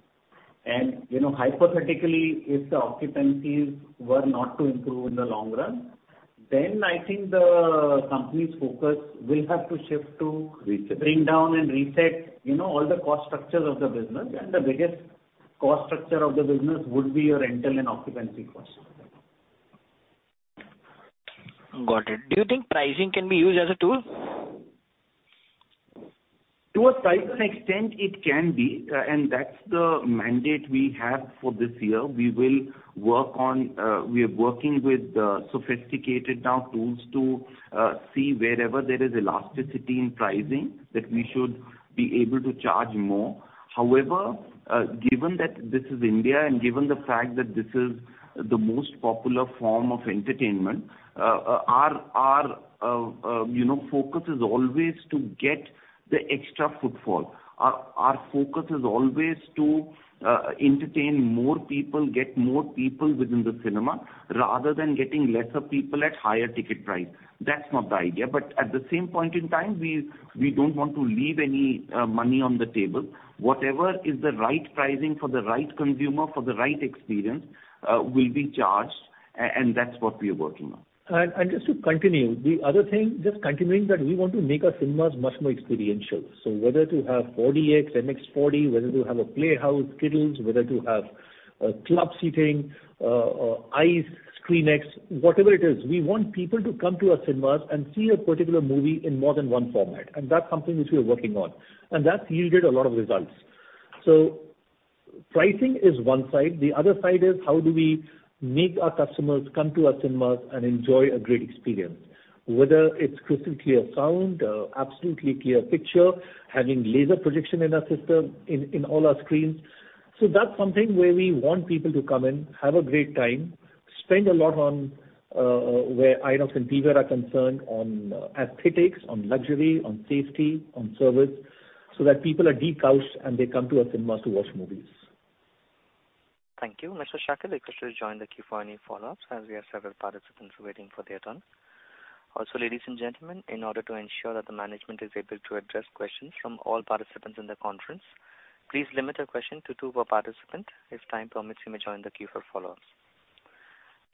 You know, hypothetically, if the occupancies were not to improve in the long run, then I think the company's focus will have to shift to. Resetting. Bring down and reset, you know, all the cost structures of the business. The biggest cost structure of the business would be your rental and occupancy costs. Got it. Do you think pricing can be used as a tool? To a certain extent, it can be, and that's the mandate we have for this year. We will work on, we are working with sophisticated now tools to see wherever there is elasticity in pricing that we should be able to charge more. Given that this is India and given the fact that this is the most popular form of entertainment, our, you know, focus is always to get the extra footfall. Our focus is always to entertain more people, get more people within the cinema rather than getting lesser people at higher ticket price. That's not the idea. At the same point in time, we don't want to leave any money on the table. Whatever is the right pricing for the right consumer for the right experience, will be charged and that's what we are working on. Just to continue, the other thing, continuing, that we want to make our cinemas much more experiential. Whether to have 4DX, MX4D, whether to have a playhouse, kiddies, whether to have club seating, ICE, ScreenX, whatever it is, we want people to come to our cinemas and see a particular movie in more than one format, and that's something which we are working on. That's yielded a lot of results. Pricing is one side. The other side is how do we make our customers come to our cinemas and enjoy a great experience, whether it's crystal clear sound, absolutely clear picture, having laser projection in our system in all our screens. That's something where we want people to come in, have a great time, spend a lot on, where INOX and PVR are concerned on aesthetics, on luxury, on safety, on service, so that people are de-couched and they come to our cinemas to watch movies. Thank you. Mr. Shakil, I request you to join the Q&A follow-ups as we have several participants waiting for their turn. Ladies and gentlemen, in order to ensure that the management is able to address questions from all participants in the conference, please limit your question to two per participant. If time permits, you may join the queue for follow-ups.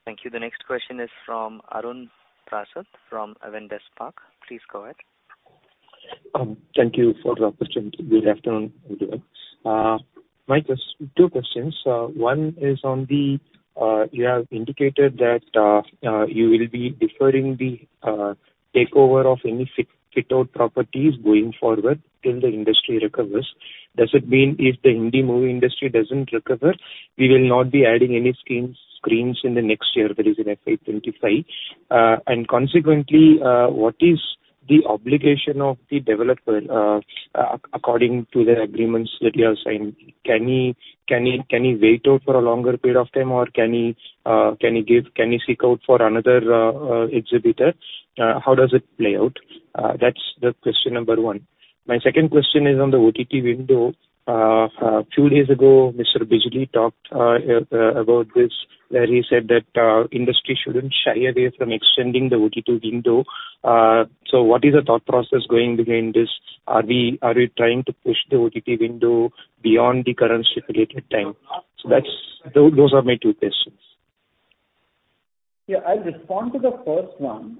Thank you. The next question is from Arun Prasad from Avendus Spark. Please go ahead. Thank you for the opportunity. Good afternoon, everyone. My 2 questions. One is on the, you have indicated that, you will be deferring the takeover of any fit out properties going forward till the industry recovers. Does it mean if the Hindi movie industry doesn't recover, we will not be adding any screens in the next year, that is, in FY 25? Consequently, what is the obligation of the developer, according to the agreements that you have signed? Can he wait out for a longer period of time, or can he seek out for another exhibitor? How does it play out? That's the question number 1. My 2nd question is on the OTT window. A few days ago, Mr. Bijli talked about this, where he said that industry shouldn't shy away from extending the OTT window. What is the thought process going behind this? Are we trying to push the OTT window beyond the current stipulated time? Those are my two questions. Yeah. I'll respond to the first one.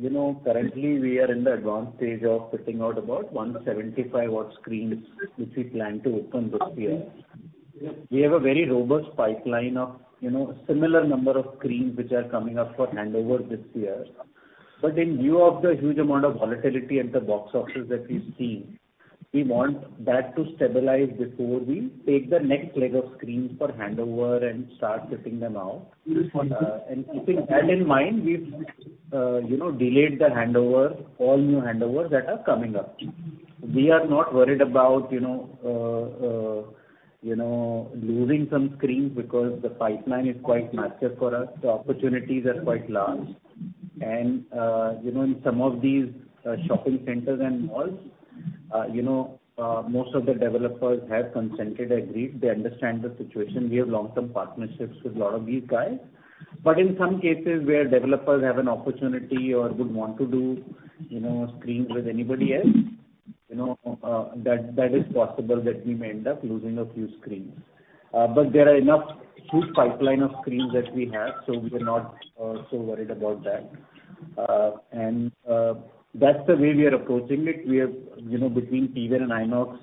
You know, currently we are in the advanced stage of fitting out about 175 odd screens, which we plan to open this year. We have a very robust pipeline of, you know, similar number of screens which are coming up for handover this year. In view of the huge amount of volatility at the box office that we've seen, we want that to stabilize before we take the next leg of screens for handover and start fitting them out. Keeping that in mind, we've, you know, delayed the handover, all new handovers that are coming up. We are not worried about, you know, losing some screens because the pipeline is quite massive for us. The opportunities are quite large. You know, in some of these shopping centers and malls, you know, most of the developers have consented, agreed. They understand the situation. We have long-term partnerships with a lot of these guys. In some cases where developers have an opportunity or would want to do, you know, screens with anybody else, you know, that is possible that we may end up losing a few screens. There are enough huge pipeline of screens that we have, we are not so worried about that. That's the way we are approaching it. You know, between PVR and INOX,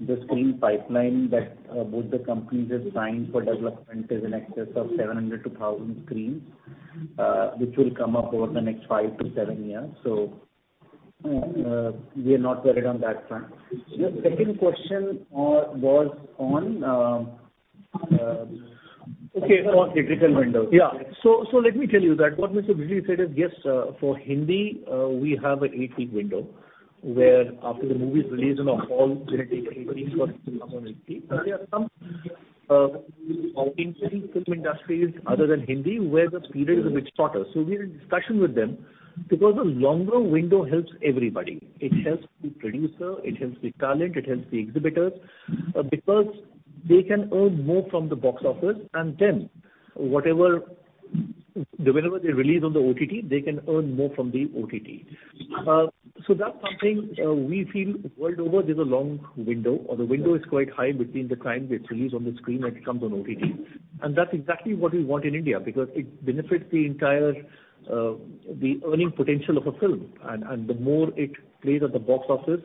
the screen pipeline that both the companies have signed for development is in excess of 700 to 1,000 screens, which will come up over the next 5 to 7 years. We are not worried on that front. The second question was on. Okay. On theatrical windows. Let me tell you that what Mr. Vijayabalan said is, yes, for Hindi, we have a 8-week window, where after the movie is released on all theaters, it takes 8 weeks for it to come on OTT. There are some in Hindi film industries other than Hindi, where the period is a bit shorter. We're in discussion with them because a longer window helps everybody. It helps the producer, it helps the talent, it helps the exhibitors, because they can earn more from the box office and then whenever they release on the OTT, they can earn more from the OTT. That's something we feel world over there's a long window or the window is quite high between the time it's released on the screen and it comes on OTT. That's exactly what we want in India because it benefits the entire the earning potential of a film. The more it plays at the box office,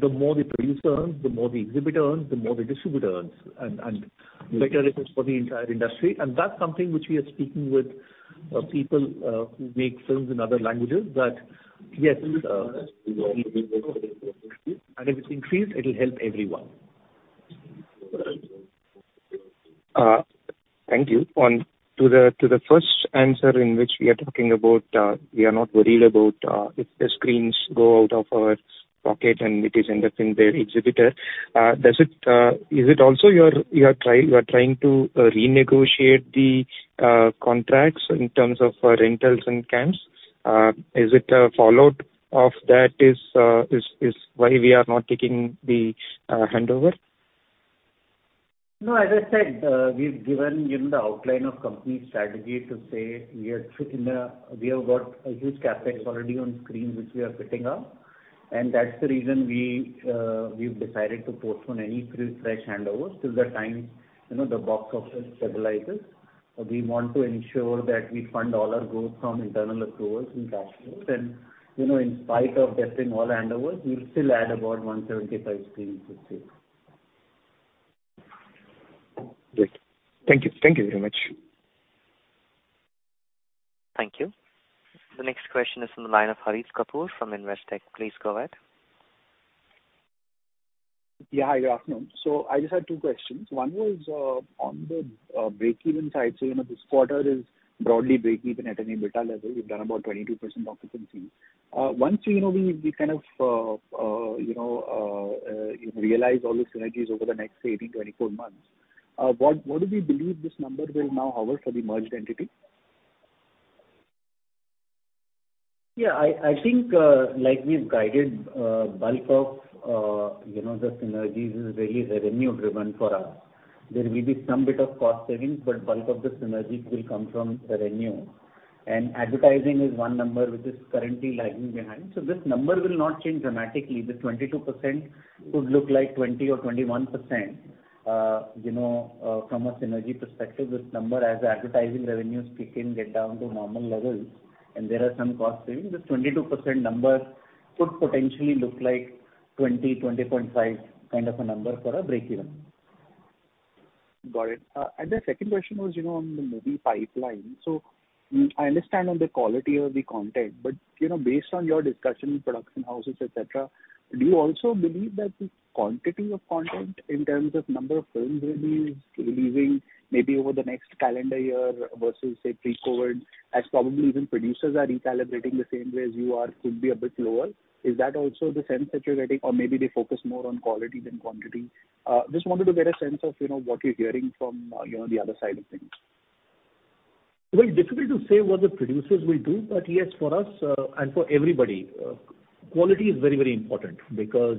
the more the producer earns, the more the exhibitor earns, the more the distributor earns. Better it is for the entire industry. That's something which we are speaking with people who make films in other languages that, yes, and if it increased it'll help everyone. Thank you. To the first answer in which we are talking about, we are not worried about if the screens go out of our pocket and it is ending up in the exhibitor. Is it also you are trying to renegotiate the contracts in terms of rentals and CAMs? Is it a fallout of that is why we are not taking the handover? No, as I said, we've given you the outline of company's strategy to say we are sitting there. We have got a huge CapEx already on screen which we are fitting out, and that's the reason we've decided to postpone any new fresh handovers till the time, you know, the box office stabilizes. We want to ensure that we fund all our growth from internal accruals and cash flows. You know, in spite of deferring all handovers, we'll still add about 175 screens this year. Great. Thank you. Thank you very much. Thank you. The next question is from the line of Harit Kapoor from Investec. Please go ahead. Yeah. Good afternoon. I just had 2 questions. One was on the breakeven side. You know, this quarter is broadly breakeven at an EBITDA level. You've done about 22% occupancy. Once, you know, we kind of realize all the synergies over the next say 18, 24 months, what do we believe this number will now hover for the merged entity? Yeah, I think, like we've guided, bulk of, you know, the synergies is very revenue driven for us. There will be some bit of cost savings, but bulk of the synergies will come from revenue. Advertising is one number which is currently lagging behind. This number will not change dramatically. The 22% could look like 20% or 21%. You know, from a synergy perspective, this number as advertising revenues kick in, get down to normal levels and there are some cost savings. This 22% number could potentially look like 20%, 20.5% kind of a number for our breakeven. Got it. The second question was, you know, on the movie pipeline. I understand on the quality of the content, you know, based on your discussion with production houses, et cetera, do you also believe that the quantity of content in terms of number of films released, releasing maybe over the next calendar year versus say pre-COVID, as probably even producers are recalibrating the same way as you are, could be a bit lower. Is that also the sense that you're getting? Maybe they focus more on quality than quantity. Just wanted to get a sense of, you know, what you're hearing from, you know, the other side of things. Very difficult to say what the producers will do. Yes, for us, and for everybody, quality is very, very important because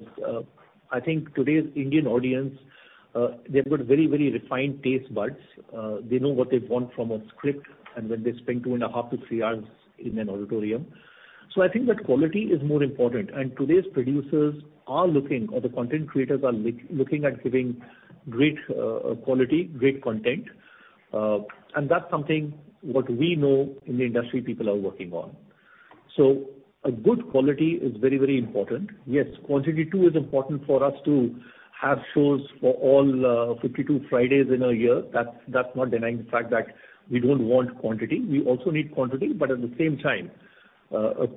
I think today's Indian audience, they've got very, very refined taste buds. They know what they want from a script and when they spend 2 and a half to 3 hours in an auditorium. I think that quality is more important. Today's producers are looking or the content creators are looking at giving great quality, great content. And that's something what we know in the industry people are working on. A good quality is very, very important. Yes, quantity too is important for us to have shows for all 52 Fridays in a year. That's, that's not denying the fact that we don't want quantity. We also need quantity, but at the same time,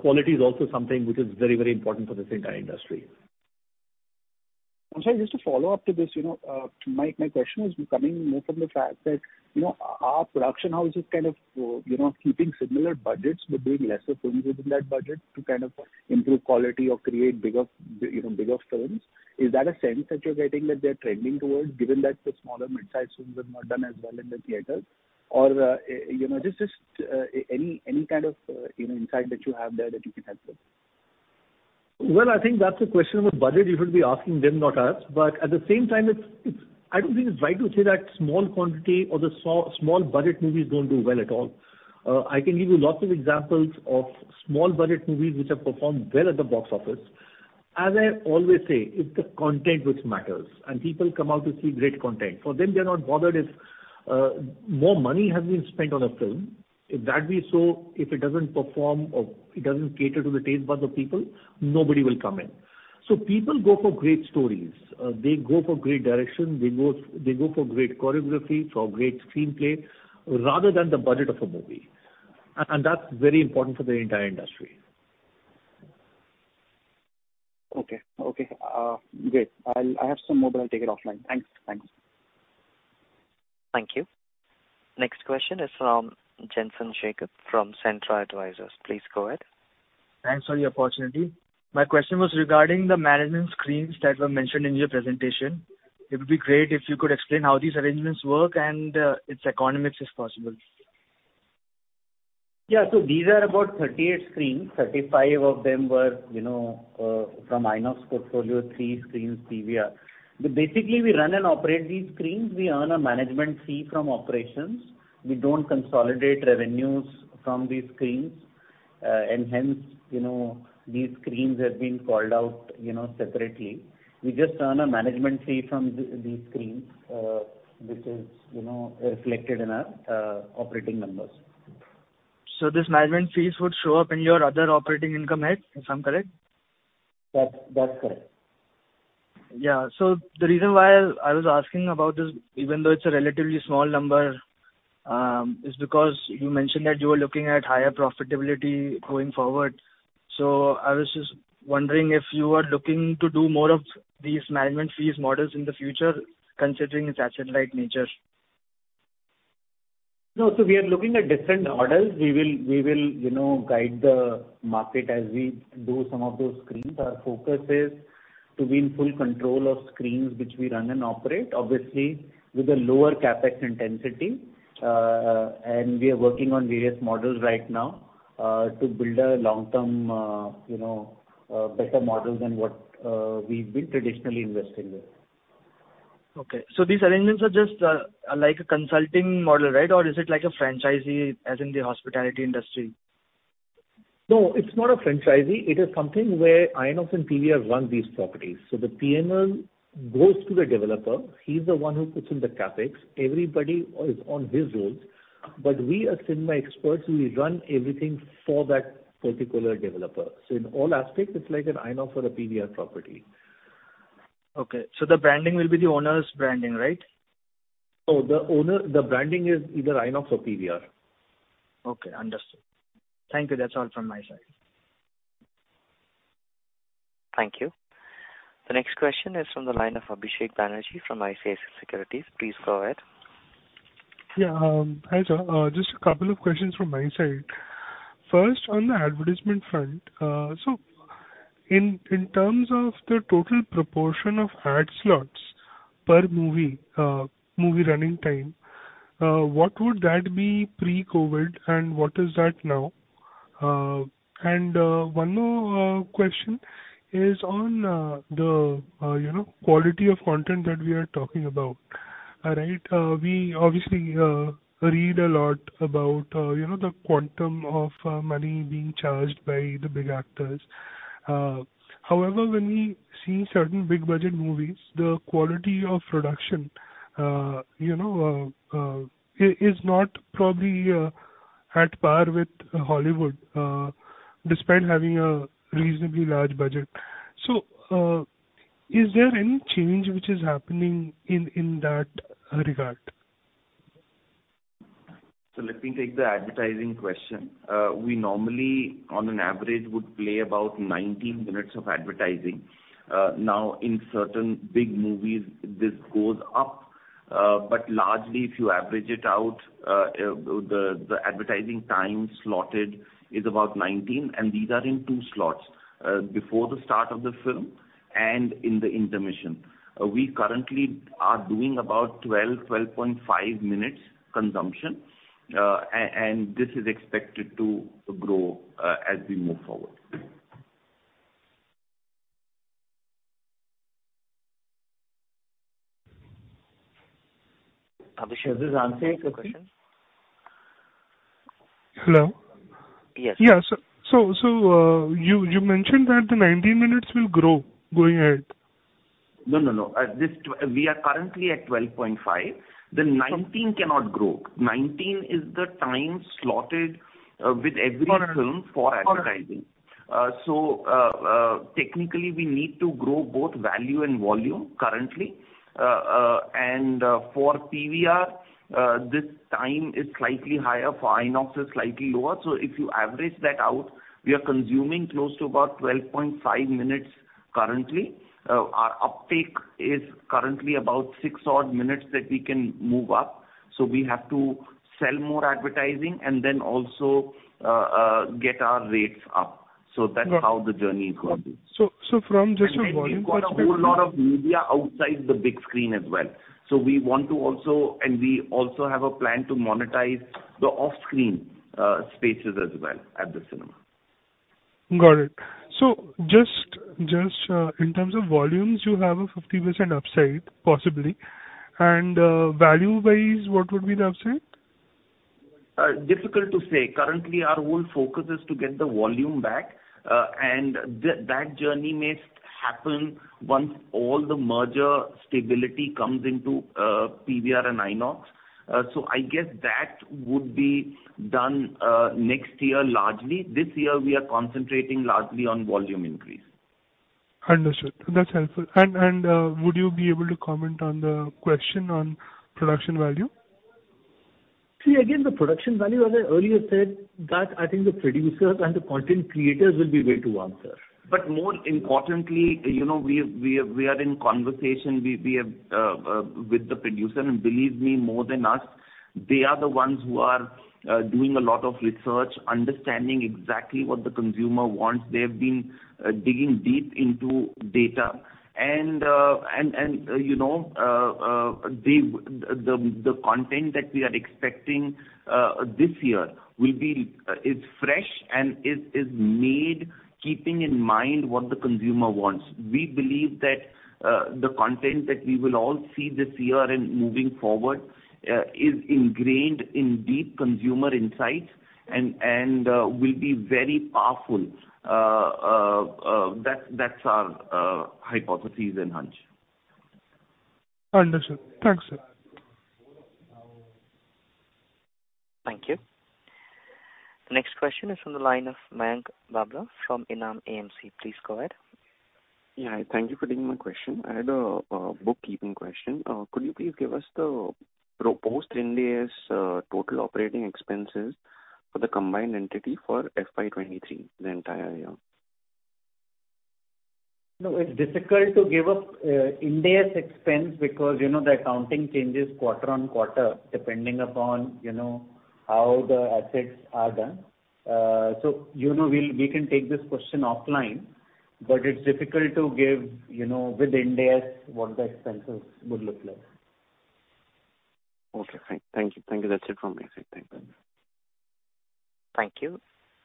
quality is also something which is very important for this entire industry. I'm sorry, just to follow up to this, you know, my question is becoming more from the fact that, you know, are production houses kind of, you know, keeping similar budgets, but doing lesser films within that budget to kind of improve quality or create bigger, you know, bigger films? Is that a sense that you're getting that they're trending towards given that the smaller midsize films have not done as well in the theaters? Or, you know, just any kind of, you know, insight that you have there that you can help with. Well, I think that's a question of a budget you should be asking them, not us. At the same time, it's I don't think it's right to say that small quantity or the small budget movies don't do well at all. I can give you lots of examples of small budget movies which have performed well at the box office. As I always say, it's the content which matters, and people come out to see great content. For them, they're not bothered if more money has been spent on a film. If that be so, if it doesn't perform or it doesn't cater to the taste buds of people, nobody will come in. People go for great stories. They go for great direction. They go for great choreography, for great screenplay, rather than the budget of a movie. That's very important for the entire industry. Okay. Okay. great. I have some more, but I'll take it offline. Thanks. Thanks. Thank you. Next question is from Jinesh Shekar from Svanik Advisors. Please go ahead. Thanks for the opportunity. My question was regarding the management screens that were mentioned in your presentation. It would be great if you could explain how these arrangements work and its economics, if possible. Yeah. These are about 38 screens. 35 of them were, you know, from INOX portfolio, 3 screens, PVR. Basically we run and operate these screens. We earn a management fee from operations. We don't consolidate revenues from these screens. Hence, you know, these screens are being called out, you know, separately. We just earn a management fee from these screens, which is, you know, reflected in our operating numbers. These management fees would show up in your other operating income head, if I'm correct? That's correct. The reason why I was asking about this, even though it's a relatively small number, is because you mentioned that you are looking at higher profitability going forward. I was just wondering if you are looking to do more of these management fees models in the future, considering its asset-light nature? No. We are looking at different models. We will, you know, guide the market as we do some of those screens. Our focus is to be in full control of screens which we run and operate, obviously with a lower CapEx intensity. We are working on various models right now, to build a long-term, you know, better model than what we've been traditionally investing with. Okay. These arrangements are just like a consulting model, right? Or is it like a franchisee, as in the hospitality industry? No, it's not a franchisee. It is something where INOX and PVR run these properties. The PNL goes to the developer. He's the one who puts in the CapEx. Everybody is on his rolls. We as cinema experts, we run everything for that particular developer. In all aspects, it's like an INOX or a PVR property. Okay. The branding will be the owner's branding, right? No. The branding is either INOX or PVR. Understood. Thank you. That's all from my side. Thank you. The next question is from the line of Abhisek Banerjee from ICICI Securities. Please go ahead. Yeah. Hi sir. Just a couple of questions from my side. First, on the advertisement front. In terms of the total proportion of ad slots per movie running time, what would that be pre-COVID, and what is that now? One more question is on the, you know, quality of content that we are talking about. All right. We obviously read a lot about, you know, the quantum of money being charged by the big actors. However, when we see certain big budget movies, the quality of production, you know, is not probably at par with Hollywood, despite having a reasonably large budget. Is there any change which is happening in that regard? Let me take the advertising question. We normally on an average would play about 19 minutes of advertising. Now in certain big movies this goes up. Largely if you average it out, the advertising time slotted is about 19, and these are in two slots, before the start of the film and in the intermission. We currently are doing about 12.5 minutes consumption, and this is expected to grow as we move forward. Abhishek, does this answer your question? Hello? Yes. Yeah. You mentioned that the 19 minutes will grow going ahead. No, no. We are currently at 12.5. The 19 cannot grow. 19 is the time slotted. Got it. Film for advertising. Got it. Technically, we need to grow both value and volume currently. For PVR, this time is slightly higher. For INOX it's slightly lower. If you average that out, we are consuming close to about 12.5 minutes currently. Our uptake is currently about six odd minutes that we can move up, so we have to sell more advertising and then also, get our rates up. Right. That's how the journey is gonna be. From just a volume perspective. Then we've got a whole lot of media outside the big screen as well. We also have a plan to monetize the off-screen spaces as well at the cinema. Got it. Just in terms of volumes, you have a 50% upside, possibly, and value-wise, what would be the upside? Difficult to say. Currently, our whole focus is to get the volume back, and that journey may happen once all the merger stability comes into, PVR and INOX. I guess that would be done, next year largely. This year we are concentrating largely on volume increase. Understood. That's helpful. Would you be able to comment on the question on production value? See, again, the production value, as I earlier said, that I think the producers and the content creators will be able to answer. More importantly, you know, we are in conversation. We have with the producer, and believe me, more than us, they are the ones who are doing a lot of research, understanding exactly what the consumer wants. They have been digging deep into data and, you know, the content that we are expecting this year will be fresh and is made keeping in mind what the consumer wants. We believe that the content that we will all see this year and moving forward is ingrained in deep consumer insights and will be very powerful. That's our hypothesis and hunch. Understood. Thanks, sir. Thank you. Next question is from the line of Mayank Babla from ENAM AMC. Please go ahead. Yeah. Thank you for taking my question. I had a bookkeeping question. Could you please give us the proposed Ind AS total operating expenses for the combined entity for FY 2023, the entire year? No, it's difficult to give a, Ind AS expense because, you know, the accounting changes quarter on quarter, depending upon, you know, how the assets are done. you know, we can take this question offline, but it's difficult to give, you know, with Ind AS what the expenses would look like. Okay. Thank you. Thank you. That's it from me. Thank you. Thank you.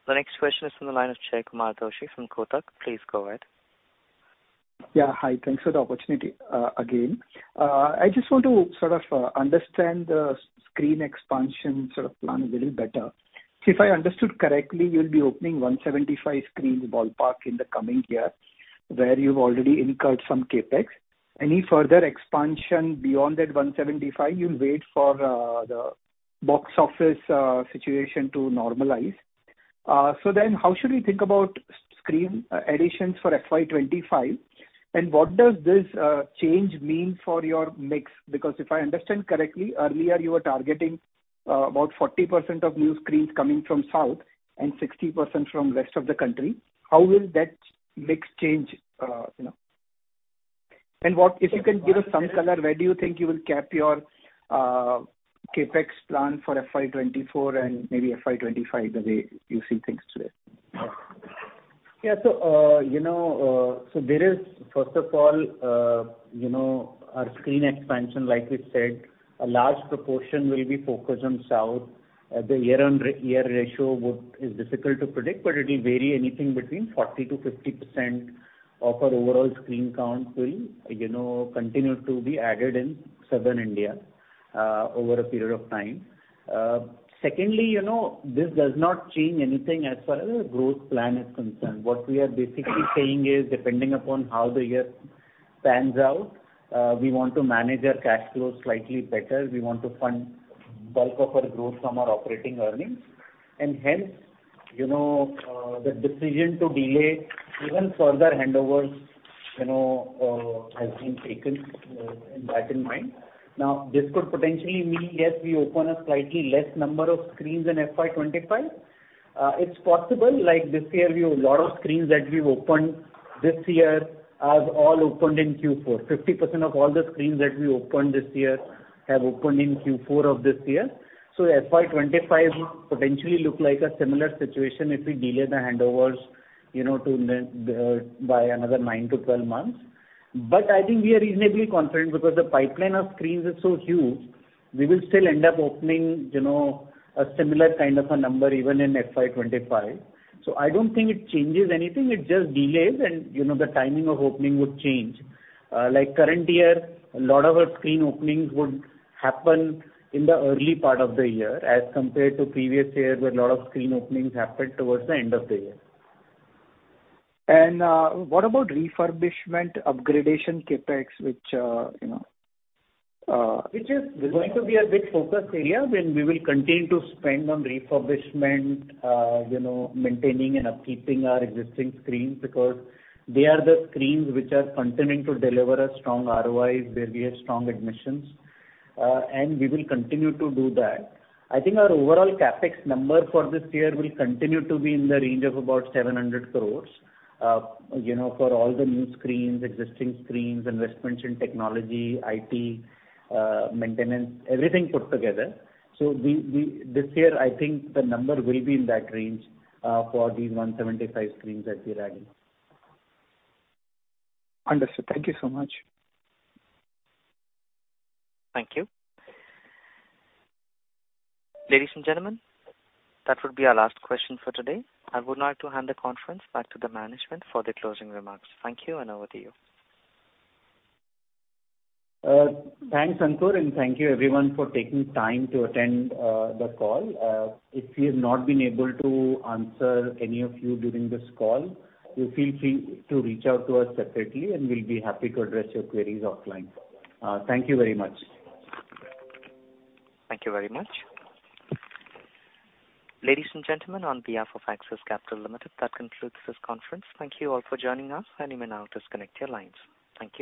The next question is from the line of Saikumar Toshi from Kotak. Please go ahead. Yeah. Hi. Thanks for the opportunity, again. I just want to sort of understand the screen expansion sort of plan a little better. If I understood correctly, you'll be opening 175 screens ballpark in the coming year, where you've already incurred some CapEx. Any further expansion beyond that 175, you'll wait for the box office situation to normalize. How should we think about screen additions for FY25, and what does this change mean for your mix? Because if I understand correctly, earlier you were targeting about 40% of new screens coming from South and 60% from rest of the country. How will that mix change, you know? And what- Yeah. If you can give us some color, where do you think you will cap your CapEx plan for FY 2024 and maybe FY 2025, the way you see things today? Yeah. There is, first of all, you know, our screen expansion, like we said, a large proportion will be focused on South. The year-on-year ratio is difficult to predict, but it will vary anything between 40%-50% of our overall screen count will, you know, continue to be added in Southern India over a period of time. Secondly, you know, this does not change anything as far as our growth plan is concerned. What we are basically saying is, depending upon how the year pans out, we want to manage our cash flows slightly better. We want to fund bulk of our growth from our operating earnings. Hence, you know, the decision to delay even further handovers, you know, has been taken in that in mind. This could potentially mean, yes, we open a slightly less number of screens in FY 25. It's possible, like this year, we have a lot of screens that we've opened this year have all opened in Q4. 50% of all the screens that we opened this year have opened in Q4 of this year. FY 25 will potentially look like a similar situation if we delay the handovers, you know, by another 9 to 12 months. I think we are reasonably confident because the pipeline of screens is so huge, we will still end up opening, you know, a similar kind of a number even in FY 25. I don't think it changes anything. It just delays and, you know, the timing of opening would change. Like current year, a lot of our screen openings would happen in the early part of the year as compared to previous years, where a lot of screen openings happened towards the end of the year. What about refurbishment, upgradation CapEx, which, you know? Which is going to be a big focus area when we will continue to spend on refurbishment, you know, maintaining and upkeeping our existing screens because they are the screens which are continuing to deliver a strong ROIs, where we have strong admissions. We will continue to do that. I think our overall CapEx number for this year will continue to be in the range of about 700 crores, you know, for all the new screens, existing screens, investments in technology, IT, maintenance, everything put together. This year, I think the number will be in that range, for these 175 screens that we are adding. Understood. Thank you so much. Thank you. Ladies and gentlemen, that would be our last question for today. I would like to hand the conference back to the management for the closing remarks. Thank you, and over to you. Thanks, Ankur. Thank you everyone for taking time to attend the call. If we've not been able to answer any of you during this call, you feel free to reach out to us separately, and we'll be happy to address your queries offline. Thank you very much. Thank you very much. Ladies and gentlemen, on behalf of Axis Capital Limited, that concludes this conference. Thank you all for joining us. You may now disconnect your lines. Thank you.